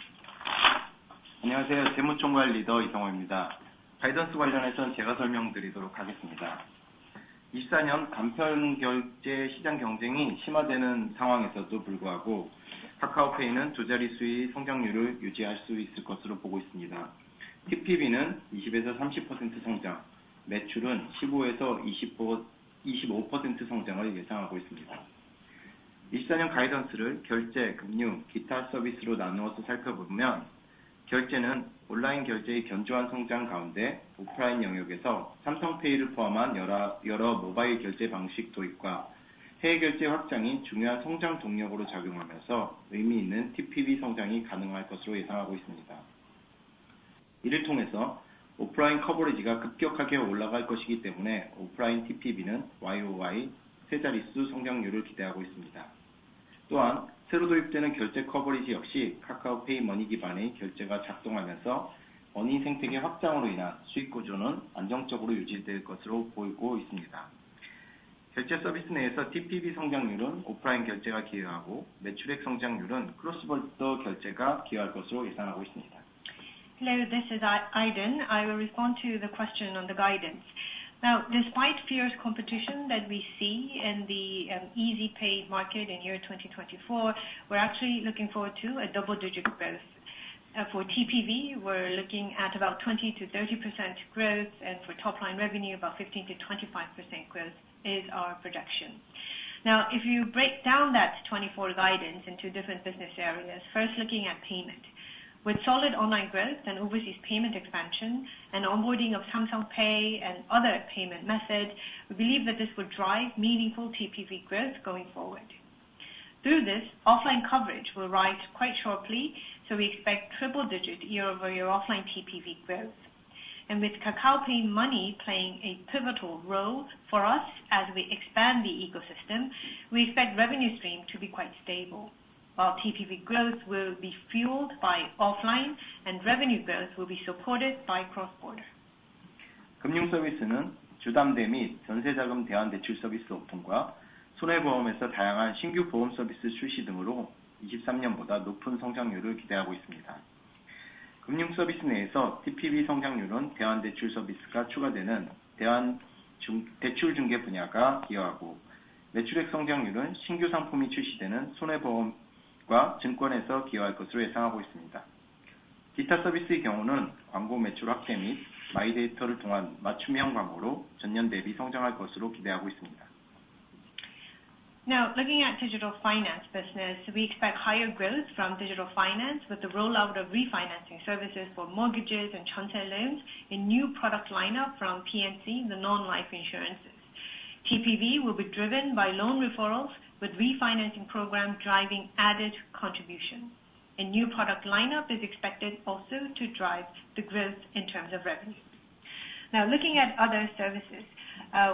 안녕하세요, 재무총괄 리더 이성호입니다. 가이던스 관련해서는 제가 설명드리도록 하겠습니다. 2024년 간편 결제 시장 경쟁이 심화되는 상황에서도 불구하고, 카카오페이는 두 자릿수 성장률을 유지할 수 있을 것으로 보고 있습니다. TPV는 20%-30% 성장, 매출은 15%-25% 성장을 예상하고 있습니다. 2024년 가이던스를 결제, 금융, 기타 서비스로 나누어서 살펴보면, 결제는 온라인 결제의 견조한 성장 가운데 오프라인 영역에서 삼성페이를 포함한 여러 모바일 결제 방식 도입과 해외 결제 확장이 중요한 성장 동력으로 작용하면서 의미 있는 TPV 성장이 가능할 것으로 예상하고 있습니다. 이를 통해서 오프라인 커버리지가 급격하게 올라갈 것이기 때문에, 오프라인 TPV는 YOY 세 자릿수 성장률을 기대하고 있습니다. 또한 새로 도입되는 결제 커버리지 역시 카카오페이 머니 기반의 결제가 작동하면서, 머니 생태계 확장으로 인한 수익 구조는 안정적으로 유지될 것으로 보이고 있습니다. 결제 서비스 내에서 TPV 성장률은 오프라인 결제가 기여하고, 매출액 성장률은 크로스보더 결제가 기여할 것으로 예상하고 있습니다. Hello, this is Iden. I will respond to the question on the guidance. Now, despite fierce competition that we see in the easy pay market in 2024, we're actually looking forward to a double-digit growth. For TPV, we're looking at about 20%-30% growth, and for top line revenue, about 15%-25% growth is our projection. Now, if you break down that 2024 guidance into different business areas, first looking at payment. With solid online growth and overseas payment expansion and onboarding of Samsung Pay and other payment methods, we believe that this will drive meaningful TPV growth going forward. Through this, offline coverage will rise quite sharply, so we expect triple-digit year-over-year offline TPV growth. And with KakaoPay Money playing a pivotal role for us as we expand the ecosystem, we expect revenue stream to be quite stable, while TPV growth will be fueled by offline and revenue growth will be supported by cross-border. Now, looking at digital finance business, we expect higher growth from digital finance with the rollout of refinancing services for mortgages and Jeonse loans and new product lineup from P&C, the non-life insurances. TPV will be driven by loan referrals, with refinancing program driving added contribution. A new product lineup is expected also to drive the growth in terms of revenue. Now, looking at other services,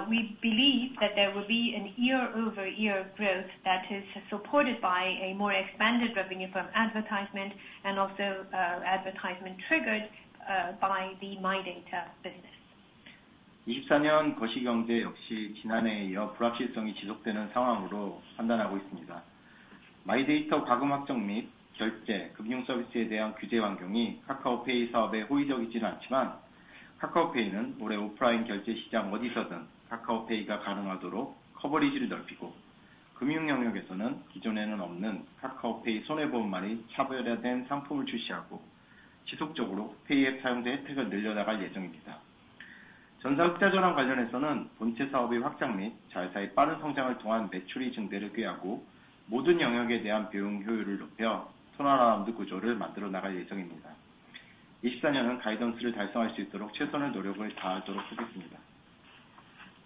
we believe that there will be a year-over-year growth that is supported by a more expanded revenue from advertisement and also, advertisement triggered, by the MyData business. Now looking at digital finance business, we expect higher growth from digital finance with the rollout of refinancing services for mortgages and Jeonse loans and new product lineup from P&C, the non-life insurances. TPV will be driven by loan referrals, with refinancing program driving added contribution. A new product lineup is expected also to drive the growth in terms of revenue. Now, looking at other services, we believe that there will be a year-over-year growth that is supported by a more expanded revenue from advertisement and also, advertisement triggered by the MyData business.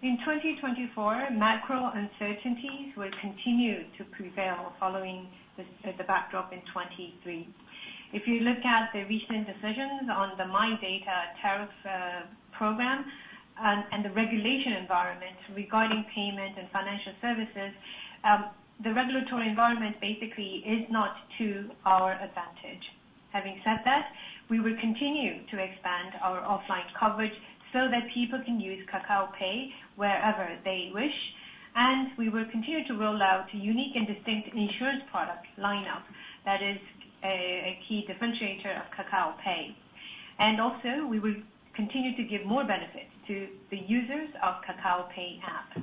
In 2024, macro uncertainties will continue to prevail following the backdrop in 2023. If you look at the recent decisions on the MyData tariff program, and the regulatory environment regarding payment and financial services, the regulatory environment basically is not to our advantage. Having said that, we will continue to expand our offline coverage so that people can use Kakao Pay wherever they wish, and we will continue to roll out unique and distinct insurance product lineup that is a key differentiator of Kakao Pay. And also, we will continue to give more benefits to the users of Kakao Pay app.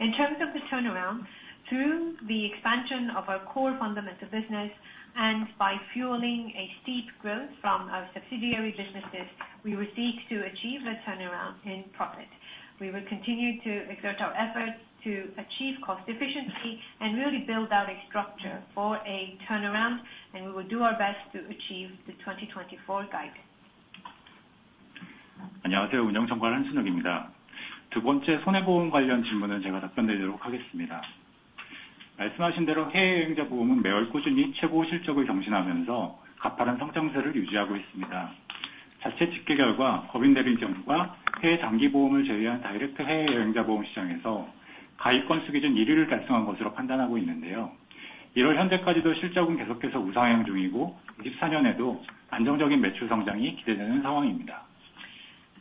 In terms of the turnaround, through the expansion of our core fundamental business and by fueling a steep growth from our subsidiary businesses, we will seek to achieve a turnaround in profit. We will continue to exert our efforts to achieve cost efficiency and really build out a structure for a turnaround, and we will do our best to achieve the 2024 guidance.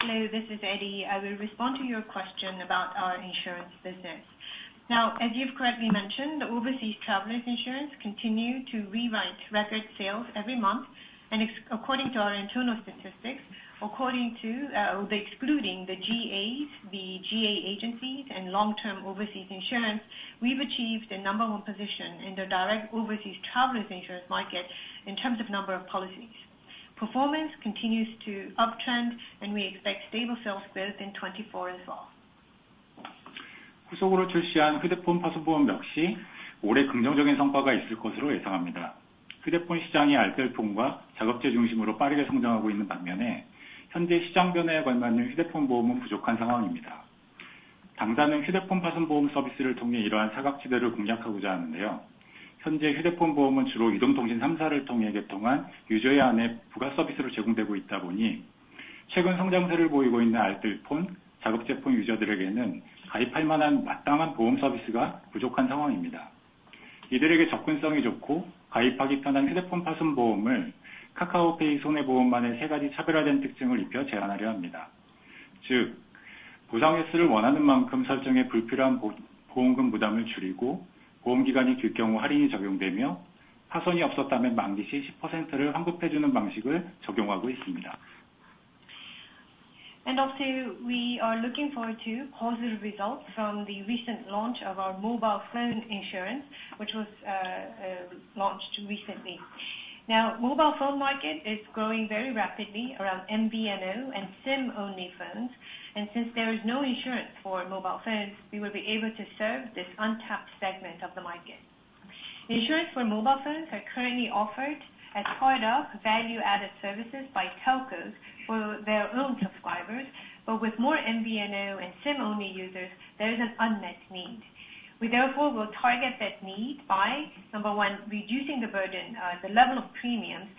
Hello, this is Eddie. I will respond to your question about our insurance business. Now, as you've correctly mentioned, the overseas travelers insurance continue to rewrite record sales every month, and, according to our internal statistics, excluding the GAs, the GA agencies and long-term overseas insurance, we've achieved the number one position in the direct overseas travelers insurance market in terms of number of policies. Performance continues to uptrend, and we expect stable sales growth in 2024 as well. Also, we are looking forward to positive results from the recent launch of our mobile phone insurance, which was launched recently. Now, mobile phone market is growing very rapidly around MVNO and SIM-only phones, and since there is no insurance for mobile phones, we will be able to serve this untapped segment of the market. Insurance for mobile phones are currently offered as part of value-added services by telcos for their own subscribers, but with more MVNO and SIM-only users, there is an unmet need. We therefore will target that need by, number one, reducing the burden, the level of premiums,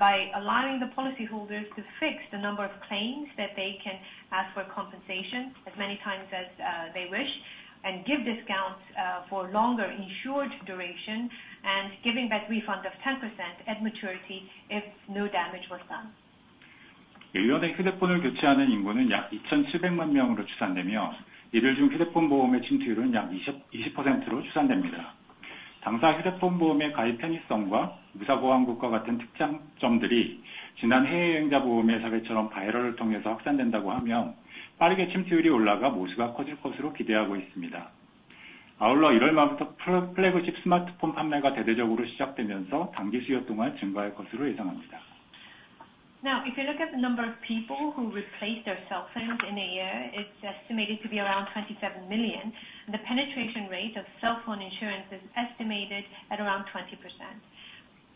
by allowing the policyholders to fix the number of claims that they can ask for compensation as many times as they wish, and give discounts for longer insured duration and giving back refund of 10% at maturity if no damage was done. Now, if you look at the number of people who replace their cell phones in a year, it's estimated to be around 27 million, and the penetration rate of cell phone insurance is estimated at around 20%.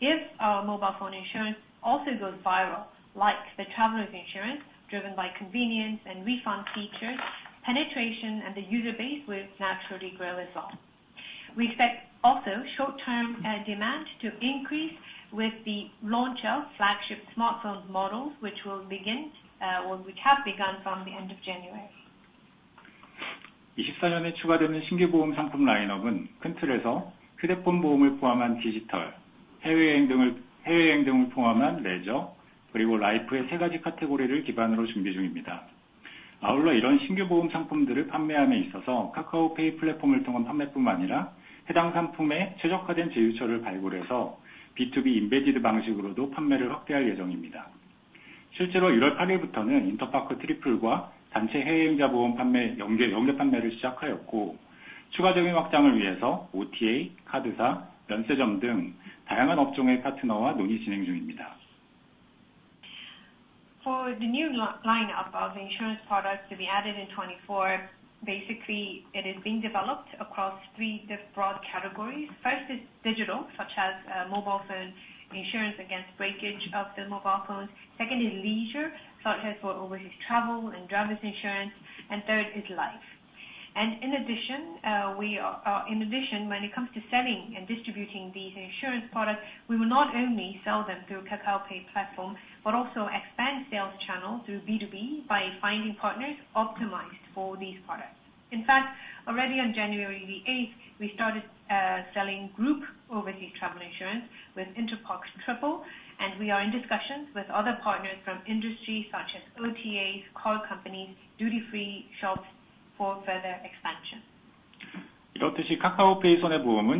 If our mobile phone insurance also goes viral, like the travelers insurance, driven by convenience and refund features, penetration and the user base will naturally grow as well. We expect also short-term demand to increase with the launch of flagship smartphone models, which will begin or which have begun from the end of January. For the new lineup of insurance products to be added in 2024, basically, it is being developed across three different broad categories. First is digital, such as, mobile phone insurance against breakage of the mobile phone. Second is leisure, such as for overseas travel and driver's insurance, and third is life. In addition, when it comes to selling and distributing these insurance products, we will not only sell them through Kakao Pay platform, but also expand sales channel through B2B by finding partners optimized for these products. In fact, already on January 8, we started selling group overseas travel insurance with InterparkTriple, and we are in discussions with other partners from industry such as OTAs, car companies, duty-free shops for further expansion. Now, as you can see, Kakao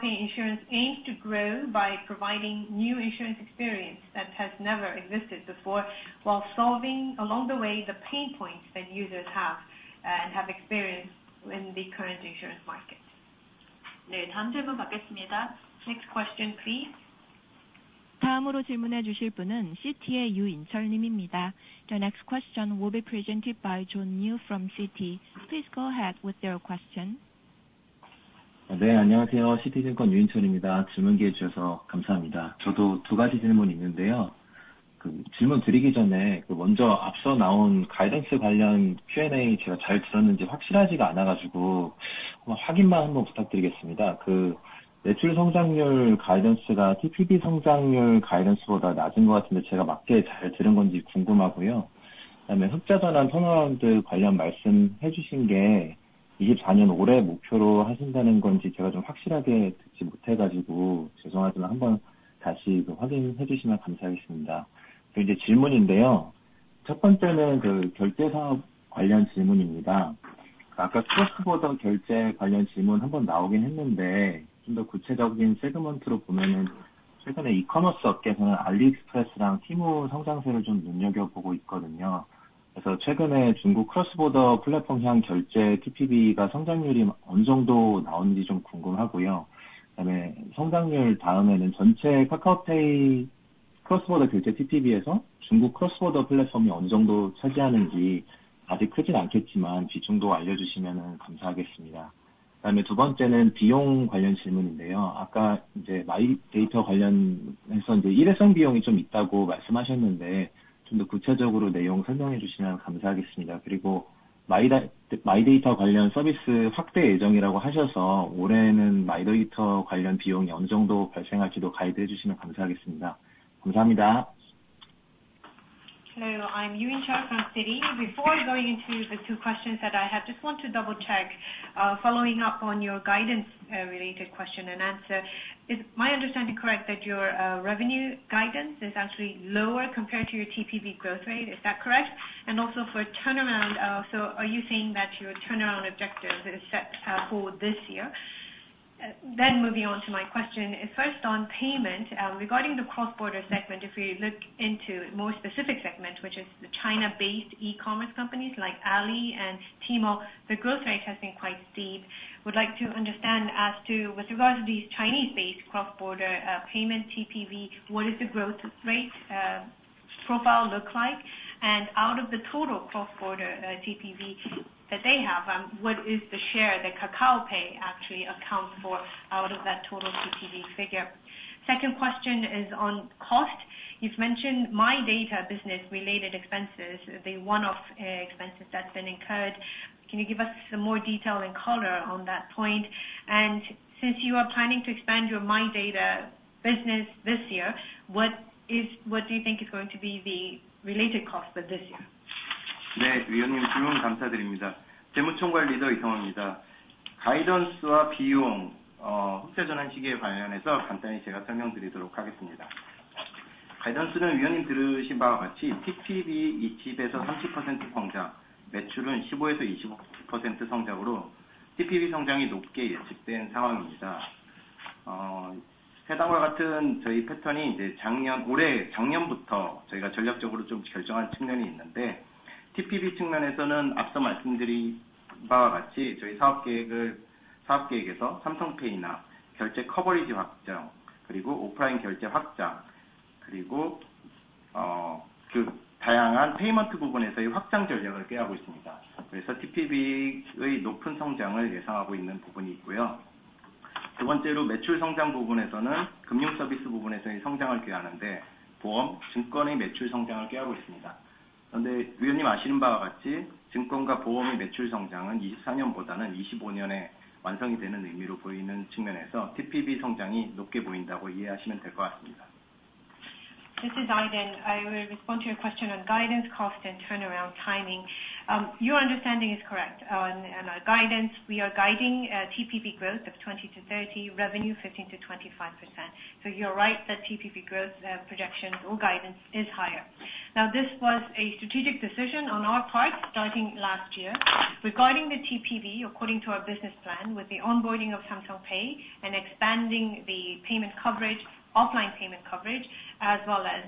Pay Insurance aims to grow by providing new insurance experience that has never existed before, while solving along the way, the pain points that users have, and have experienced in the current insurance market. Next question, please. The next question will be presented by John Yoo from Citi. Please go ahead with your question. Hello, I'm John Yoo from Citi. Before going into the two questions that I have, just want to double check, following up on your guidance, related question and answer. Is my understanding correct that your, revenue guidance is actually lower compared to your TPV growth rate? Is that correct? And also for turnaround, so are you saying that your turnaround objective is set, for this year?... Then moving on to my question, first on payment, regarding the cross-border segment, if you look into more specific segment, which is the China-based e-commerce companies like Ali and Tmall, the growth rate has been quite steep. Would like to understand as to with regards to these Chinese-based cross-border payment TPV, what is the growth rate profile look like? And out of the total cross-border TPV that they have, what is the share that Kakao Pay actually account for out of that total TPV figure? Second question is on cost. You've mentioned MyData business-related expenses, the one-off expenses that's been incurred. Can you give us some more detail and color on that point? And since you are planning to expand your MyData business this year, what is - what do you think is going to be the related cost for this year? This is Iden. I will respond to your question on guidance, cost, and turnaround timing. Your understanding is correct. On our guidance, we are guiding TPV growth of 20-30, revenue 15%-25%. So you're right that TPV growth projection or guidance is higher. Now, this was a strategic decision on our part starting last year. Regarding the TPV, according to our business plan, with the onboarding of Samsung Pay and expanding the payment coverage, offline payment coverage, as well as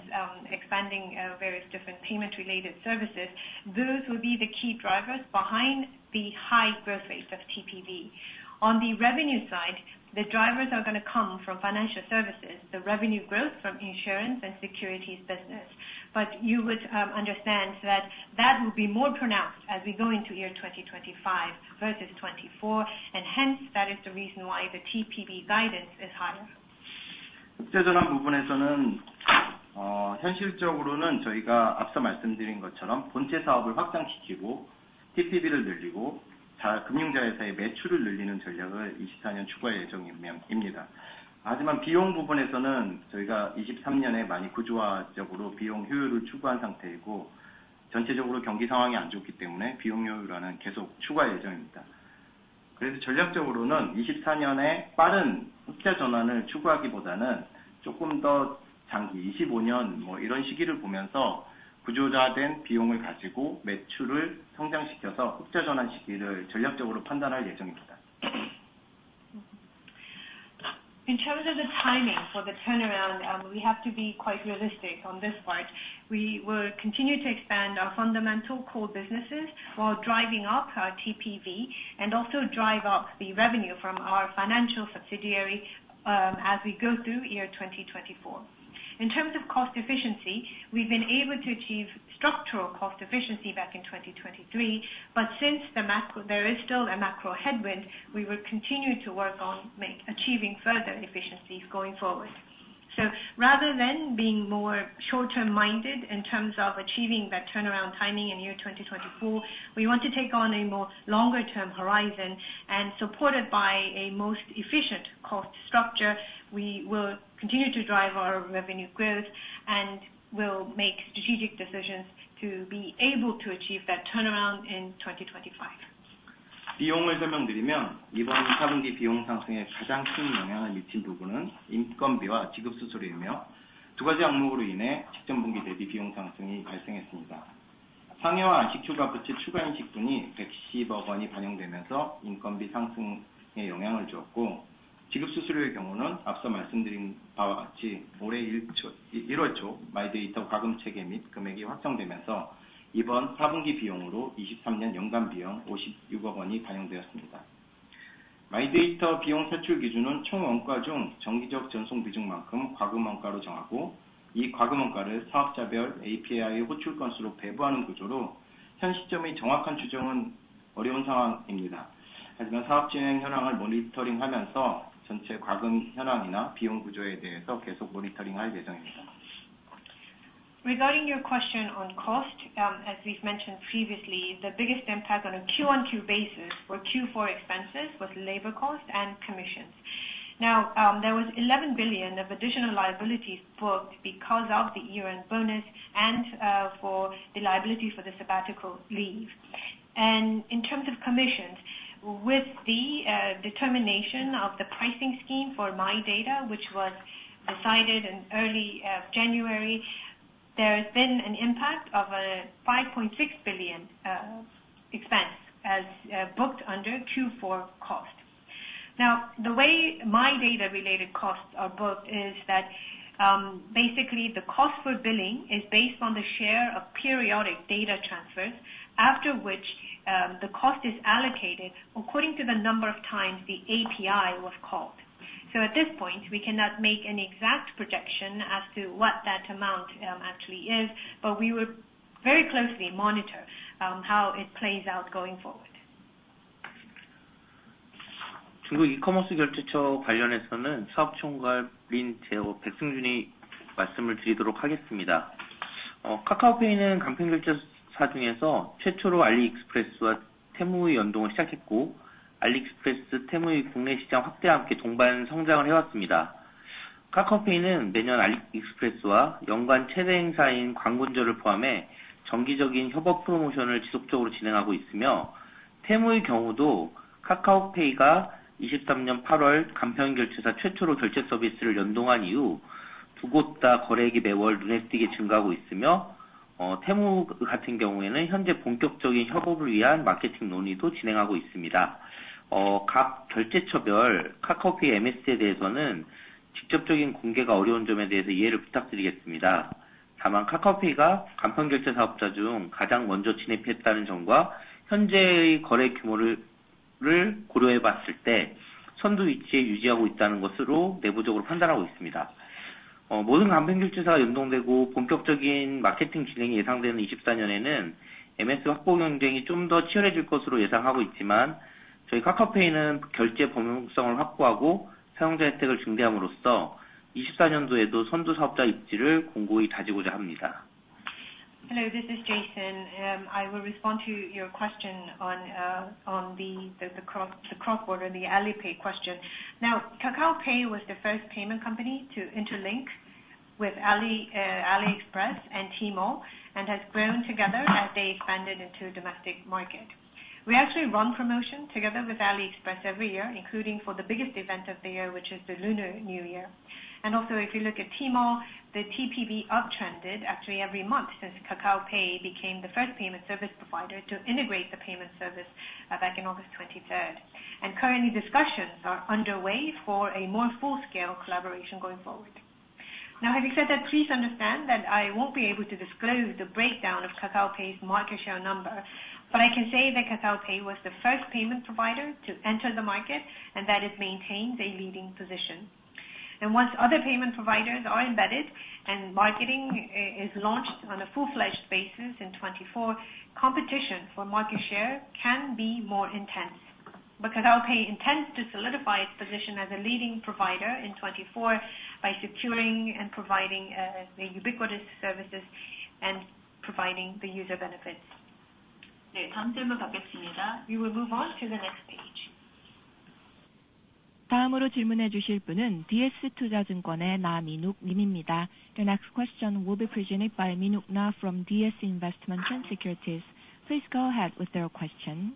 expanding various different payment-related services, those will be the key drivers behind the high growth rates of TPV. On the revenue side, the drivers are gonna come from financial services, the revenue growth from insurance and securities business. But you would understand that that will be more pronounced as we go into year 2025 versus 2024, and hence, that is the reason why the TPV guidance is higher. In terms of the timing for the turnaround, we have to be quite realistic on this part. We will continue to expand our fundamental core businesses while driving up our TPV, and also drive up the revenue from our financial subsidiary, as we go through year 2024. In terms of cost efficiency, we've been able to achieve structural cost efficiency back in 2023, but since the macro, there is still a macro headwind, we will continue to work on achieving further efficiencies going forward. So rather than being more short-term minded in terms of achieving that turnaround timing in the year 2024, we want to take on a more longer-term horizon, and supported by a most efficient cost structure, we will continue to drive our revenue growth, and we'll make strategic decisions to be able to achieve that turnaround in 2025. Regarding your question on cost, as we've mentioned previously, the biggest impact on a Q-o-Q basis for Q4 expenses was labor cost and commissions. Now, there was 11 billion of additional liabilities booked because of the year-end bonus and for the liability for the sabbatical leave. And in terms of commissions, with the determination of the pricing scheme for MyData, which was decided in early January. There has been an impact of a 5.6 billion expense as booked under Q4 costs. Now, the way MyData related costs are booked is that, basically the cost for billing is based on the share of periodic data transfers, after which, the cost is allocated according to the number of times the API was called. So at this point, we cannot make an exact projection as to what that amount, actually is, but we will very closely monitor, how it plays out going forward. The next question will be presented by Min-wook Na from DS Investment & Securities. Please go ahead with your question.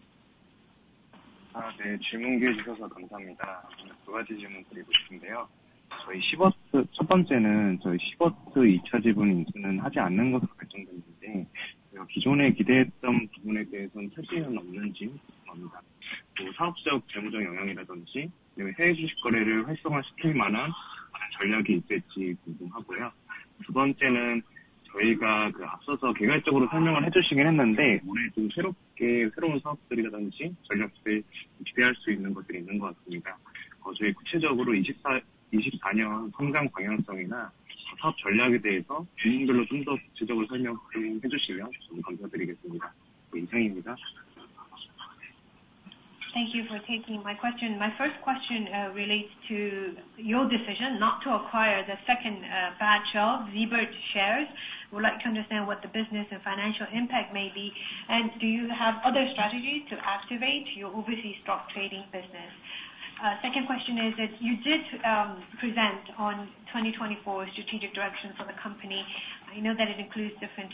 Thank you for taking my question. My first question relates to your decision not to acquire the second batch of Siebert shares. Would like to understand what the business and financial impact may be, and do you have other strategies to activate your overseas stock trading business? Second question is that you did present on 2024 strategic direction for the company. I know that it includes different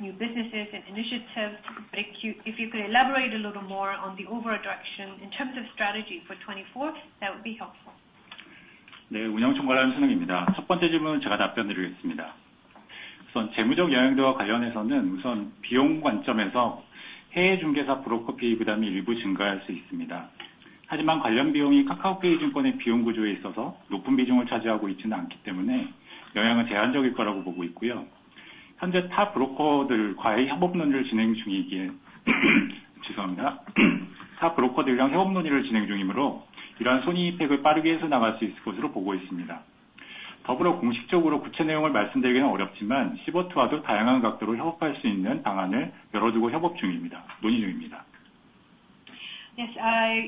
new businesses and initiatives, but if you could elaborate a little more on the overall direction in terms of strategy for 2024, that would be helpful. Yes,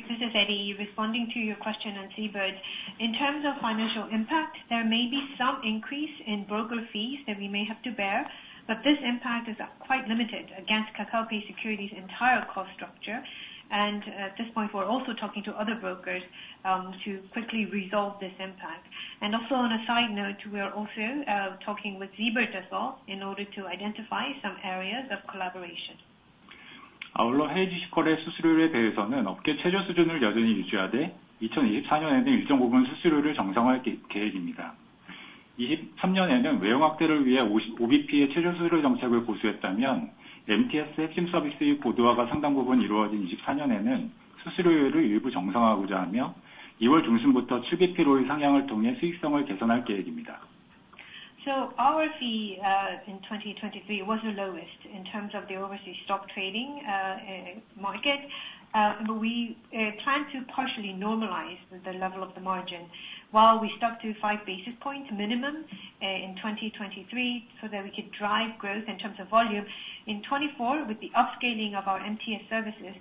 this is Iden, responding to your question on Siebert Financial. In terms of financial impact, there may be some increase in broker fees that we may have to bear, but this impact is quite limited against Kakao Pay Securities' entire cost structure. At this point, we're also talking to other brokers to quickly resolve this impact. Also on a side note, we are also talking with Siebert Financial as well, in order to identify some areas of collaboration. ...아울러 해외 주식거래 수수료에 대해서는 업계 최저 수준을 여전히 유지하되, 2024년에는 일정 부분 수수료를 정상화할 계획입니다. 2023년에는 외형 확대를 위해 50bp의 최저 수수료 정책을 고수했다면, MTS 핵심 서비스의 고도화가 상당 부분 이루어진 2024년에는 수수료율을 일부 정상화하고자 하며, 2월 중순부터 bp 로율 상향을 통해 수익성을 개선할 계획입니다. So our fee in 2023 was the lowest in terms of the overseas stock trading market, but we plan to partially normalize the level of the margin while we stuck to five basis points minimum in 2023, so that we could drive growth in terms of volume. In 2024 with the upscaling of our MTS services,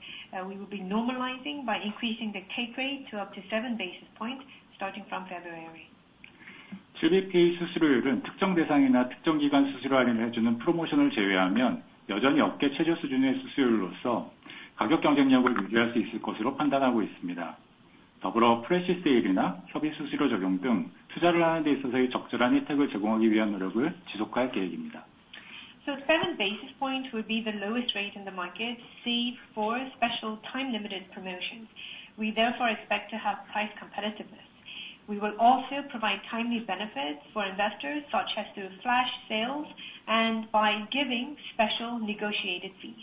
we will be normalizing by increasing the take rate to up to seven basis points starting from February. GBP 수수료율은 특정 대상이나 특정 기간 수수료 할인해 주는 프로모션을 제외하면 여전히 업계 최저 수준의 수수료로서 가격 경쟁력을 유지할 수 있을 것으로 판단하고 있습니다. 더불어 플래시 세일이나 협의 수수료 적용 등 투자를 하는 데 있어서의 적절한 혜택을 제공하기 위한 노력을 지속할 계획입니다. Seven basis points will be the lowest rate in the market, save for special time-limited promotions. We therefore expect to have price competitiveness. We will also provide timely benefits for investors, such as through flash sales and by giving special negotiated fees.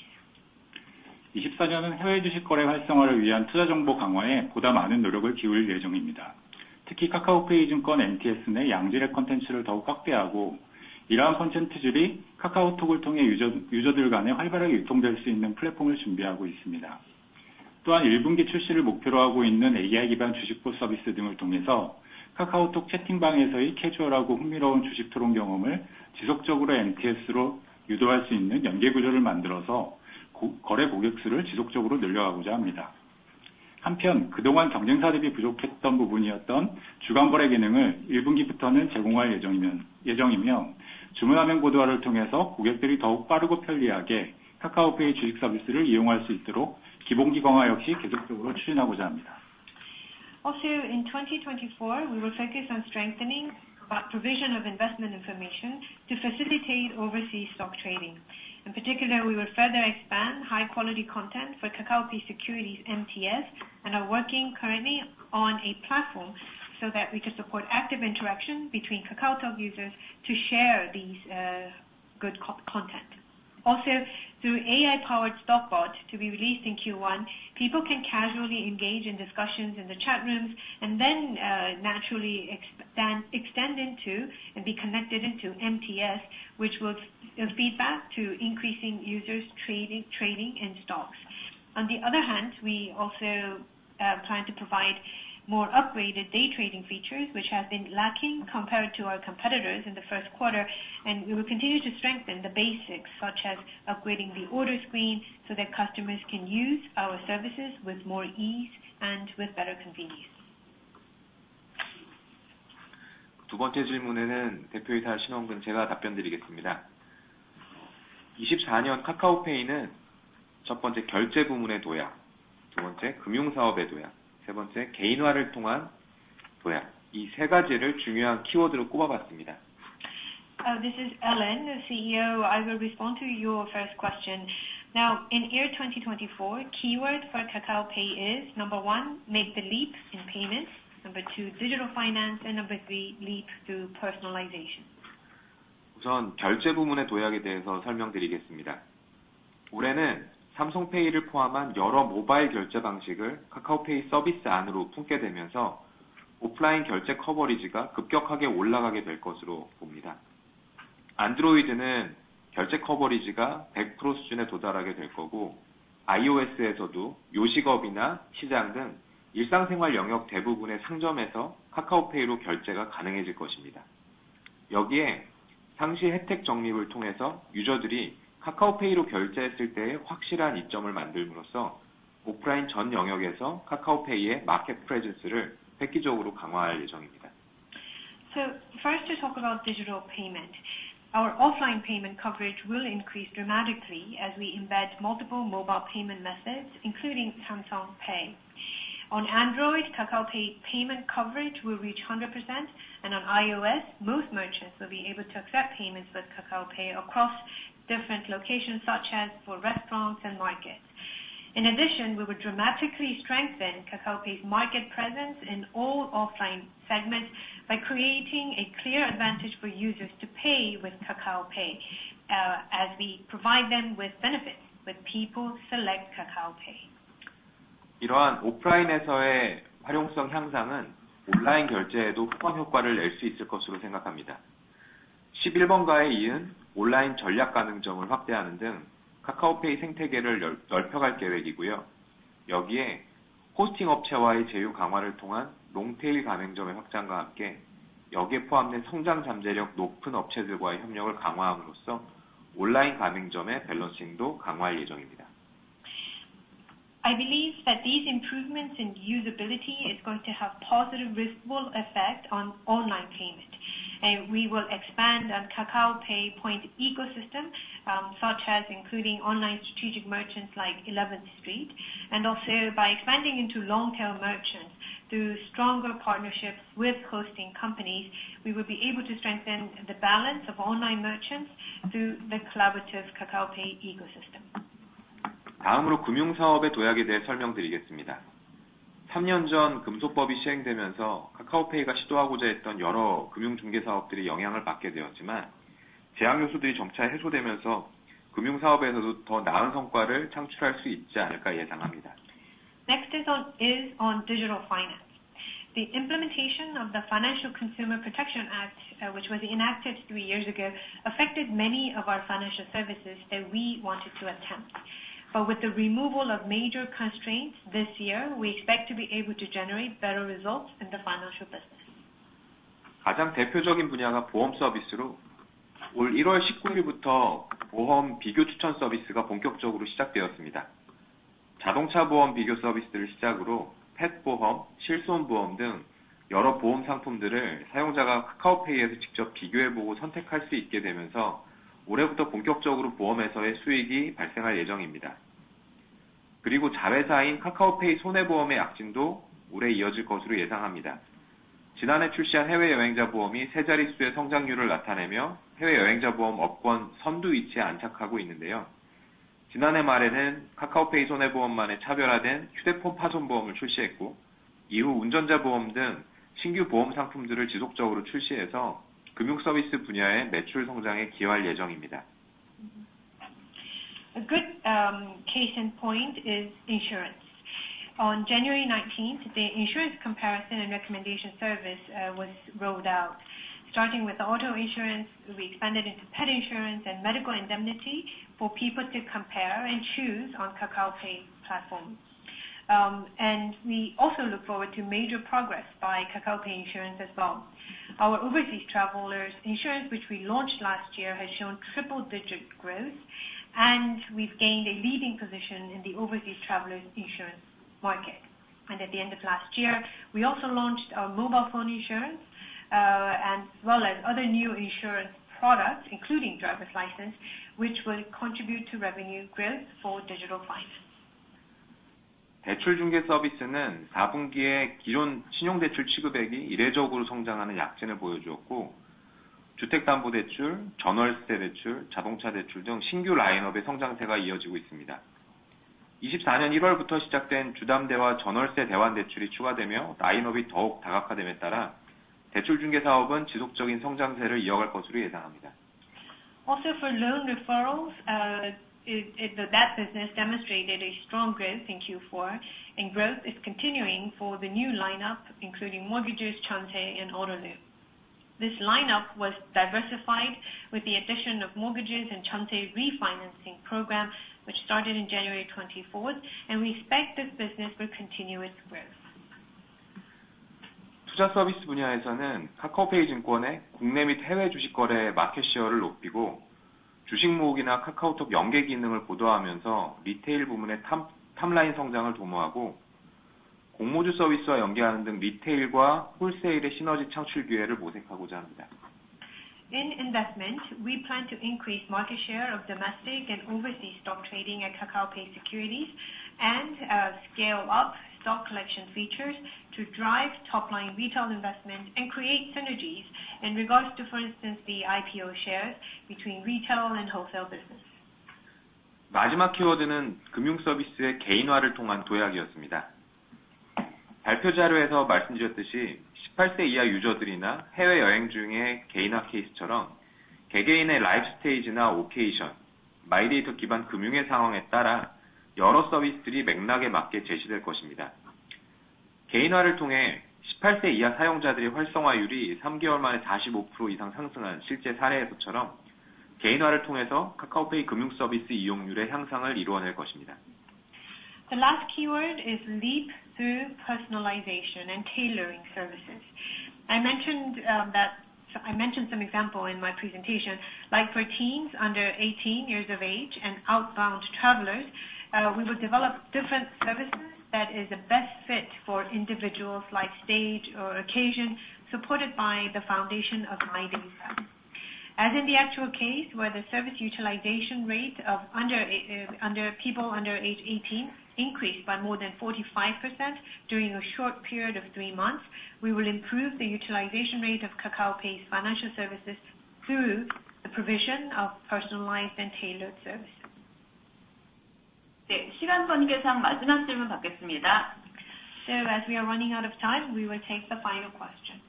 2024년은 해외 주식거래 활성화를 위한 투자 정보 강화에 보다 많은 노력을 기울일 예정입니다. 특히 카카오페이 증권 MTS 내 양질의 콘텐츠를 더욱 확대하고, 이러한 콘텐츠들이 카카오톡을 통해 유저, 유저들 간에 활발하게 유통될 수 있는 플랫폼을 준비하고 있습니다. 또한 1분기 출시를 목표로 하고 있는 AI 기반 주식 bot 서비스 등을 통해서 카카오톡 채팅방에서의 캐주얼하고 흥미로운 주식 토론 경험을 지속적으로 MTS로 유도할 수 있는 연계 구조를 만들어서 고객 거래 고객 수를 지속적으로 늘려가고자 합니다. 한편, 그동안 경쟁사들이 부족했던 부분이었던 주간 거래 기능을 1분기부터는 제공할 예정이며, 주문 화면 고도화를 통해서 고객들이 더욱 빠르고 편리하게 카카오페이 주식 서비스를 이용할 수 있도록 기본기 강화 역시 계속적으로 추진하고자 합니다. Also, in 2024, we will focus on strengthening our provision of investment information to facilitate overseas stock trading. In particular, we will further expand high quality content for Kakao Pay Securities MTS, and are working currently on a platform so that we can support active interaction between KakaoTalk users to share these good content. Also, through AI-powered Stockbot to be released in Q1, people can casually engage in discussions in the chat rooms and then naturally extend into and be connected into MTS, which will feed back to increasing users, trading, and stocks. On the other hand, we also plan to provide more upgraded day trading features, which have been lacking compared to our competitors in the Q1, and we will continue to strengthen the basics, such as upgrading the order screen, so that customers can use our services with more ease and with better convenience. 두 번째 질문에는 대표이사 신원근 제가 답변드리겠습니다. 2024년 카카오페이는 첫 번째, 결제 부문의 도약, 두 번째, 금융사업의 도약, 세 번째, 개인화를 통한 도약, 이세 가지를 중요한 키워드로 꼽아봤습니다. This is Allen, the CEO. I will respond to your first question. Now, in year 2024, keyword for Kakao Pay is, one, make the leap in payments, two, digital finance, and three, leap through personalization. 우선 결제 부문의 도약에 대해서 설명드리겠습니다. 올해는 Samsung Pay를 포함한 여러 모바일 결제 방식을 Kakao Pay 서비스 안으로 품게 되면서 오프라인 결제 커버리지가 급격하게 올라가게 될 것으로 봅니다. Android는 결제 커버리지가 100% 수준에 도달하게 될 거고, iOS에서도 요식업이나 시장 등 일상생활 영역 대부분의 상점에서 Kakao Pay로 결제가 가능해질 것입니다. 여기에 상시 혜택 적립을 통해서 유저들이 Kakao Pay로 결제했을 때의 확실한 이점을 만듦으로써, 오프라인 전 영역에서 Kakao Pay의 마켓 프레젠스를 획기적으로 강화할 예정입니다. So first, to talk about digital payment, our offline payment coverage will increase dramatically as we embed multiple mobile payment methods, including Samsung Pay. On Android, Kakao Pay payment coverage will reach 100%, and on iOS, most merchants will be able to accept payments with Kakao Pay across different locations, such as for restaurants and markets. In addition, we will dramatically strengthen Kakao Pay's market presence in all offline segments by creating a clear advantage for users to pay with Kakao Pay, as we provide them with benefits when people select Kakao Pay. 이러한 오프라인에서의 활용성 향상은 온라인 결제에도 흡언 효과를 낼수 있을 것으로 생각합니다. 십일번가에 이은 온라인 전략 가맹점을 확대하는 등 카카오페이 생태계를 넓혀갈 계획이고요. 여기에 호스팅 업체와의 제휴 강화를 통한 롱테일 가맹점의 확장과 함께 여기에 포함된 성장 잠재력 높은 업체들과의 협력을 강화함으로써 온라인 가맹점의 밸런싱도 강화할 예정입니다. I believe that these improvements in usability is going to have positive, visible effect on online payment. We will expand on Kakao Pay point ecosystem, such as including online strategic merchants like Eleventh Street, and also by expanding into long-tail merchants. Through stronger partnerships with hosting companies, we will be able to strengthen the balance of online merchants through the collaborative Kakao Pay ecosystem. 다음으로 금융사업의 도약에 대해 설명드리겠습니다. 3년 전 금소법이 시행되면서 카카오페이가 시도하고자 했던 여러 금융 중개사업들이 영향을 받게 되었지만, 제약 요소들이 점차 해소되면서 금융 사업에서도 더 나은 성과를 창출할 수 있지 않을까 예상합니다. Next is on digital finance. The implementation of the Financial Consumer Protection Act, which was enacted three years ago, affected many of our financial services that we wanted to attempt. But with the removal of major constraints this year, we expect to be able to generate better results in the financial business. 가장 대표적인 분야가 보험 서비스로 올 1월 19일부터 보험 비교 추천 서비스가 본격적으로 시작되었습니다. 자동차 보험 비교 서비스를 시작으로 펫 보험, 실손보험 등 여러 보험 상품들을 사용자가 카카오페이에서 직접 비교해 보고 선택할 수 있게 되면서 올해부터 본격적으로 보험에서의 수익이 발생할 예정입니다. 그리고 자회사인 카카오페이 손해보험의 약진도 올해 이어질 것으로 예상합니다. 지난해 출시한 해외여행자보험이 세 자리수의 성장률을 나타내며, 해외여행자보험 업권 선두 위치에 안착하고 있는데요. 지난해 말에는 카카오페이 손해보험만의 차별화된 휴대폰 파손 보험을 출시했고, 이후 운전자 보험 등 신규 보험 상품들을 지속적으로 출시해서 금융 서비스 분야의 매출 성장에 기여할 예정입니다. A good case in point is insurance. On January nineteenth, the insurance comparison and recommendation service was rolled out. Starting with auto insurance, we expanded into pet insurance and medical indemnity for people to compare and choose on Kakao Pay platform. And we also look forward to major progress by Kakao Pay Insurance as well. Our overseas travelers insurance, which we launched last year, has shown triple-digit growth, and we've gained a leading position in the overseas travelers insurance market. At the end of last year, we also launched our mobile phone insurance as well as other new insurance products, including driver's license, which will contribute to revenue growth for digital finance. 대출중개서비스는 사분기에 기존 신용대출 취급액이 이례적으로 성장하는 약진을 보여주었고, 주택담보대출, 전월세대출, 자동차대출 등 신규 라인업의 성장세가 이어지고 있습니다. 2024년 1월부터 시작된 주담대와 전월세 대환대출이 추가되며 라인업이 더욱 다각화됨에 따라 대출중개사업은 지속적인 성장세를 이어갈 것으로 예상합니다. Also for loan referrals, that business demonstrated a strong growth in Q4, and growth is continuing for the new lineup, including mortgages, Jeonse and Auto Loan. This lineup was diversified with the addition of mortgages and Jeonse refinancing program, which started in January 2024, and we expect this business will continue its growth. 투자 서비스 분야에서는 카카오페이 증권의 국내 및 해외 주식 거래의 마켓셰어를 높이고, 주식 모으기나 카카오톡 연계 기능을 고도화하면서 리테일 부문의 top line 성장을 도모하고, 공모주 서비스와 연계하는 등 리테일과 홀세일의 시너지 창출 기회를 모색하고자 합니다. In investment, we plan to increase market share of domestic and overseas stock trading at Kakao Pay Securities and, scale up stock collection features to drive top-line retail investment and create synergies in regards to, for instance, the IPO shares between retail and wholesale business. 마지막 키워드는 금융서비스의 개인화를 통한 도약이었습니다. 발표 자료에서 말씀드렸듯이, 18세 이하 유저들이나 해외 여행 중에 개인화 케이스처럼 개개인의 라이프 스테이지나 오케이션, 마이데이터 기반 금융의 상황에 따라 여러 서비스들이 맥락에 맞게 제시될 것입니다. 개인화를 통해 18세 이하 사용자들의 활성화율이 3개월 만에 45% 이상 상승한 실제 사례에서처럼, 개인화를 통해서 카카오페이 금융서비스 이용률의 향상을 이루어낼 것입니다. The last keyword is leap through personalization and tailoring services. I mentioned some example in my presentation, like for teens under 18 years of age and outbound travelers, we will develop different services that is the best fit for individuals like stage or occasion, supported by the foundation of MyData set. As in the actual case, where the service utilization rate of under people under age 18 increased by more than 45% during a short period of three months, we will improve the utilization rate of Kakao Pay's financial services through the provision of personalized and tailored services. 네, 시간 관계상 마지막 질문 받겠습니다. So as we are running out of time, we will take the final question.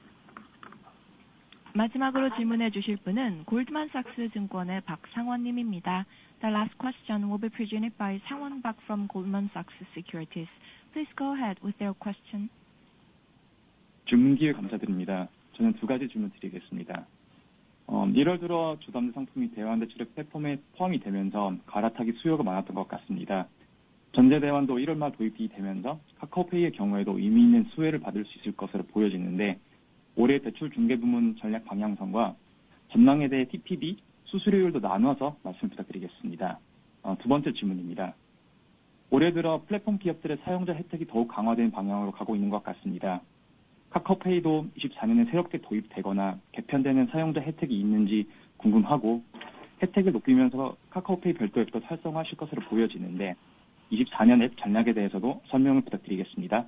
마지막으로 질문해 주실 분은 골드만삭스 증권의 박상원님입니다. The last question will be presented by Sang-won Park from Goldman Sachs. Please go ahead with your question. 주목기회 감사드립니다. 저는 두 가지 질문드리겠습니다. 1월 들어 주담대 상품이 대환대출앱 플랫폼에 포함이 되면서 갈아타기 수요가 많았던 것 같습니다. 전세 대환도 1월 말 도입이 되면서 카카오페이의 경우에도 의미 있는 수혜를 받을 수 있을 것으로 보여지는데, 올해 대출중개 부문 전략 방향성과 전망에 대해 TPV 수수료율도 나눠서 말씀 부탁드리겠습니다. 두 번째 질문입니다. 올해 들어 플랫폼 기업들의 사용자 혜택이 더욱 강화되는 방향으로 가고 있는 것 같습니다. ... 카카오페이도 2024년에 새롭게 도입되거나 개편되는 사용자 혜택이 있는지 궁금하고, 혜택을 높이면서 카카오페이 별도 앱도 활성화하실 것으로 보여지는데, 2024년 앱 전략에 대해서도 설명을 부탁드리겠습니다.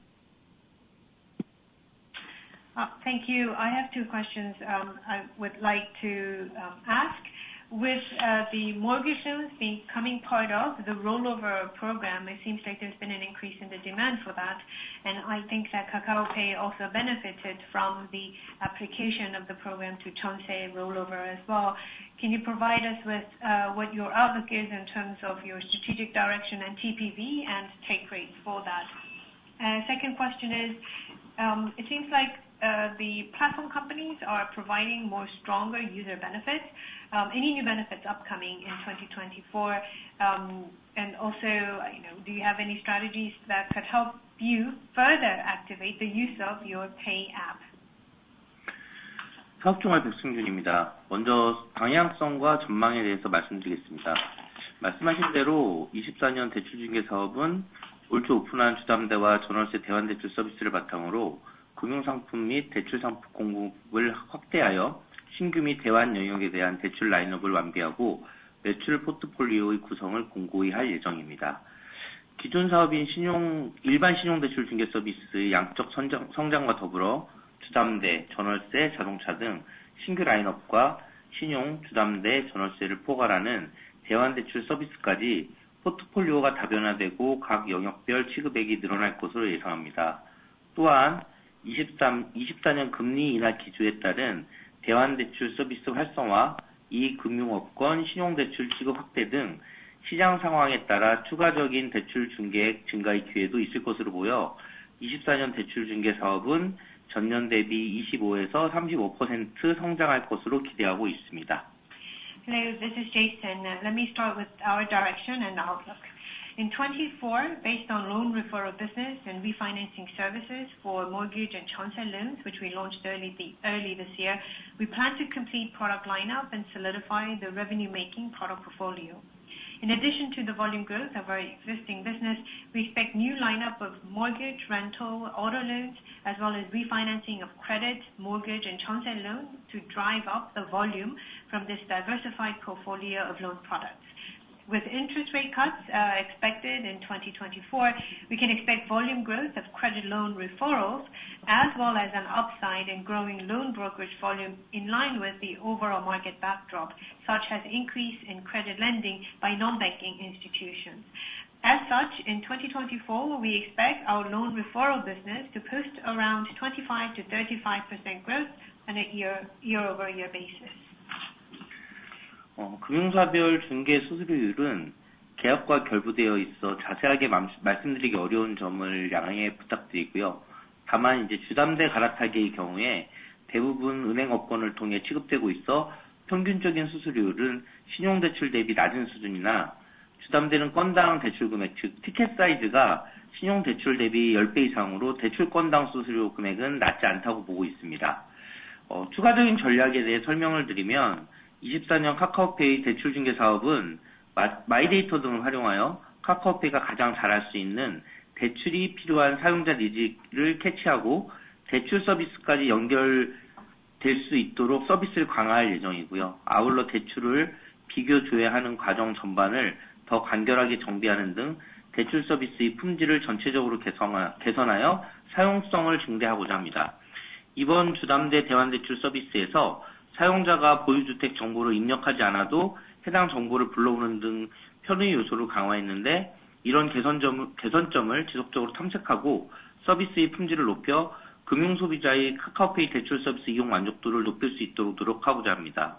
Thank you. I have two questions, I would like to ask. With the mortgages becoming part of the rollover program, it seems like there's been an increase in the demand for that, and I think that Kakao Pay also benefited from the application of the program to transfer rollover as well. Can you provide us with what your outlook is in terms of your strategic direction and TPV, and take rates for that? And second question is, it seems like the platform companies are providing more stronger user benefits. Any new benefits upcoming in 2024? And also, you know, do you have any strategies that could help you further activate the use of your pay app? 사업총괄 백승준입니다. 먼저 방향성과 전망에 대해서 말씀드리겠습니다. 말씀하신 대로 2024년 대출중개 사업은 올초 오픈한 주담대와 전월세 대환대출 서비스를 바탕으로 금융상품 및 대출상품 공급을 확대하여, 신규 및 대환 영역에 대한 대출 라인업을 완비하고 매출 포트폴리오의 구성을 공고히 할 예정입니다. 기존 사업인 신용, 일반신용대출중개서비스의 양적 성장, 성장과 더불어 주담대, 전월세, 자동차 등 신규 라인업과 신용, 주담대, 전월세를 포괄하는 대환대출 서비스까지 포트폴리오가 다변화되고 각 영역별 취급액이 늘어날 것으로 예상합니다. 또한 2023, 2024년 금리 인하 기조에 따른 대환대출 서비스 활성화, 이 금융업권, 신용대출 취급 확대 등 시장 상황에 따라 추가적인 대출중개액 증가 기회도 있을 것으로 보여, 2024년 대출중개 사업은 전년 대비 25%-35% 성장할 것으로 기대하고 있습니다. Hello, this is Jason. Let me start with our direction and outlook. In 2024, based on loan referral business and refinancing services for mortgage and transfer loans, which we launched early this year, we plan to complete product lineup and solidify the revenue making product portfolio. In addition to the volume growth of our existing business, we expect new lineup of mortgage, rental, auto loans, as well as refinancing of credit, mortgage, and transfer loans to drive up the volume from this diversified portfolio of loan products. With interest rate cuts expected in 2024, we can expect volume growth of credit loan referrals, as well as an upside in growing loan brokerage volume in line with the overall market backdrop, such as increase in credit lending by non-banking institutions. As such, in 2024, we expect our loan referral business to post around 25%-35% growth on a year-over-year basis. 금융사별 중개 수수료율은 계약과 결부되어 있어 자세하게 말씀드리기 어려운 점을 양해 부탁드리고요. 다만, 이제 주담대 갈아타기의 경우에 대부분 은행 업권을 통해 취급되고 있어, 평균적인 수수료율은 신용대출 대비 낮은 수준이나 주담대는 건당 대출 금액, 즉 티켓 사이즈가 신용대출 대비 10배 이상으로 대출 건당 수수료 금액은 낮지 않다고 보고 있습니다. 추가적인 전략에 대해 설명을 드리면, 2024년 카카오페이 대출중개 사업은 마이데이터 등을 활용하여, 카카오페이가 가장 잘할 수 있는 대출이 필요한 사용자 니즈를 캐치하고, 대출 서비스까지 연결될 수 있도록 서비스를 강화할 예정이고요. 아울러 대출을 비교, 조회하는 과정 전반을 더 간결하게 정비하는 등 대출 서비스의 품질을 전체적으로 개선하여 사용성을 증대하고자 합니다. 이번 주담대 대환대출 서비스에서 사용자가 보유 주택 정보를 입력하지 않아도 해당 정보를 불러오는 등 편의 요소를 강화했는데, 이런 개선점을 지속적으로 탐색하고 서비스의 품질을 높여 금융 소비자의 카카오페이 대출 서비스 이용 만족도를 높일 수 있도록 노력하고자 합니다.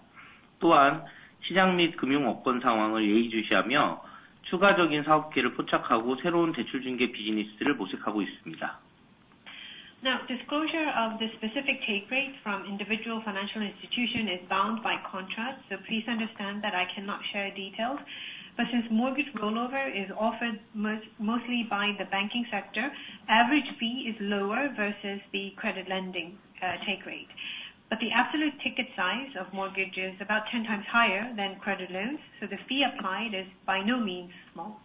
또한, 시장 및 금융 업권 상황을 예의주시하며, 추가적인 사업 기회를 포착하고 새로운 대출중개 비즈니스를 모색하고 있습니다. Now, disclosure of the specific take rates from individual financial institution is bound by contract, so please understand that I cannot share details. But since mortgage rollover is offered mostly by the banking sector, average fee is lower versus the credit lending take rate. But the absolute ticket size of mortgage is about 10 times higher than credit loans, so the fee applied is by no means small.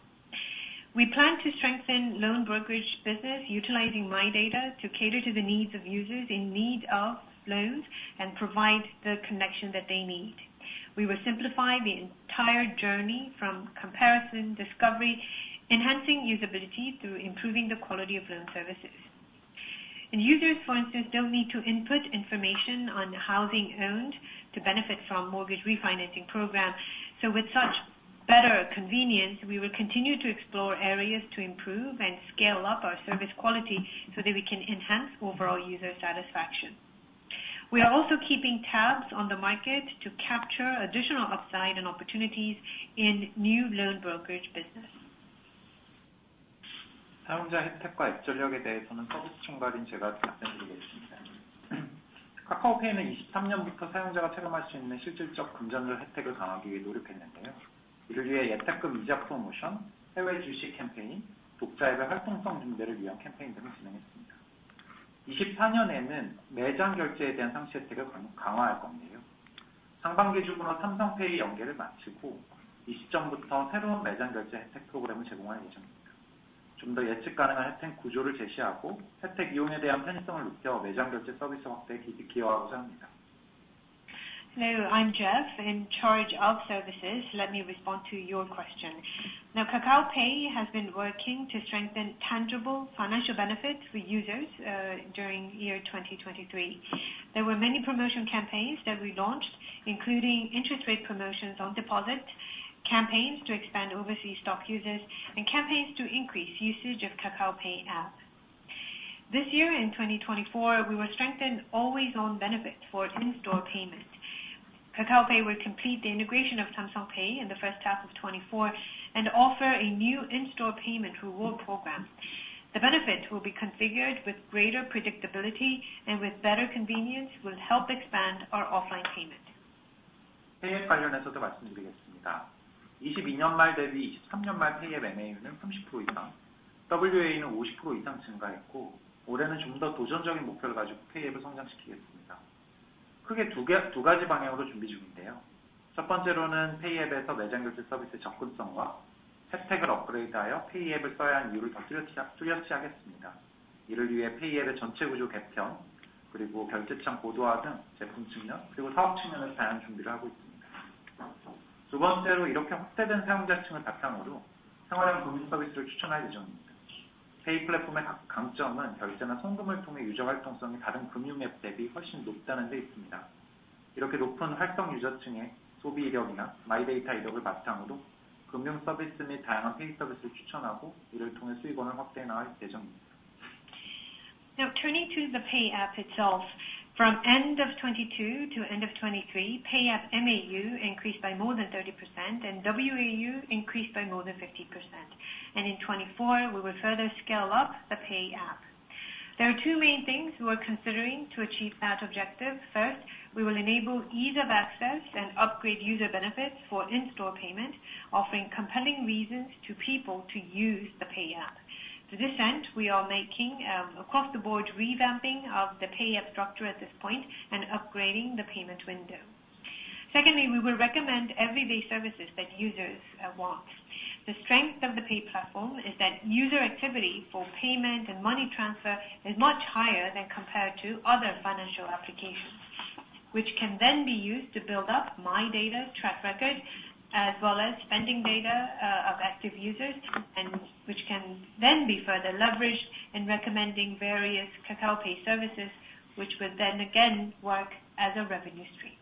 We plan to strengthen loan brokerage business, utilizing My Data to cater to the needs of users in need of loans and provide the connection that they need. We will simplify the entire journey from comparison, discovery, enhancing usability through improving the quality of loan services. Users, for instance, don't need to input information on housing owned to benefit from mortgage refinancing program. So with such better convenience, we will continue to explore areas to improve and scale up our service quality so that we can enhance overall user satisfaction. We are also keeping tabs on the market to capture additional upside and opportunities in new loan brokerage business. 사용자 혜택과 앱 전략에 대해서는 서비스 총괄인 제가 답변드리겠습니다. 카카오페이는 2023년부터 사용자가 체감할 수 있는 실질적 금전적 혜택을 강화하기 위해 노력했는데요. 이를 위해 예탁금 이자 프로모션, 해외 주식 캠페인, 독자적인 활동성 준비를 위한 캠페인 등을 진행했습니다. 2024년에는 매장 결제에 대한 상시 혜택을 강화, 강화할 건이에요. 상반기 중으로 삼성 페이 연계를 마치고, 이 시점부터 새로운 매장 결제 혜택 프로그램을 제공할 예정입니다. 좀더 예측 가능한 혜택 구조를 제시하고, 혜택 이용에 대한 편의성을 높여 매장 결제 서비스 확대에 기여라고 생각합니다. Hello, I'm Jeff, in charge of services. Let me respond to your question. Now, Kakao Pay has been working to strengthen tangible financial benefits for users during year 2023. There were many promotion campaigns that we launched, including interest rate promotions on deposit, campaigns to expand overseas stock users, and campaigns to increase usage of Kakao Pay app. This year, in 2024, we will strengthen always-on benefits for in-store payment. Kakao Pay will complete the integration of Samsung Pay in the first half of 2024 and offer a new in-store payment reward program. The benefits will be configured with greater predictability and with better convenience, will help expand our offline payment. 페이 앱 관련해서도 말씀드리겠습니다. 2022년 말 대비 2023년 말 페이 앱 MAU는 30% 이상, WAU는 50% 이상 증가했고, 올해는 좀더 도전적인 목표를 가지고 페이 앱을 성장시키겠습니다. 크게 2개, 2가지 방향으로 준비 중인데요. 첫 번째로는 페이 앱에서 매장 결제 서비스 접근성과 혜택을 업그레이드하여 페이 앱을 써야 할 이유를 더 뚜렷이 하겠습니다. 이를 위해 페이 앱의 전체 구조 개편, 그리고 결제창 고도화 등 제품 측면, 그리고 사업 측면에서 다양한 준비를 하고 있습니다. 두 번째로, 이렇게 확대된 사용자 층을 바탕으로 생활형 금융 서비스를 추천할 예정입니다. 페이 플랫폼의 강점은 결제나 송금을 통해 유저 활동성이 다른 금융앱 대비 훨씬 높다는 데 있습니다. 이렇게 높은 활동 유저층의 소비 이력이나 마이 데이터 이력을 바탕으로 금융 서비스 및 다양한 페이 서비스를 추천하고, 이를 통해 수익원을 확대해 나갈 예정입니다. Now, turning to the Pay app itself, from end of 2022 to end of 2023, Pay app MAU increased by more than 30% and WAU increased by more than 50%. In 2024, we will further scale up the Pay app. There are two main things we are considering to achieve that objective. First, we will enable ease of access and upgrade user benefits for in-store payment, offering compelling reasons to people to use the Pay app. To this end, we are making across-the-board revamping of the Pay app structure at this point and upgrading the payment window. Secondly, we will recommend everyday services that users want. The strength of the pay platform is that user activity for payment and money transfer is much higher than compared to other financial applications, which can then be used to build up MyData track record, as well as spending data, of active users, and which can then be further leveraged in recommending various KakaoPay services, which will then again work as a revenue stream.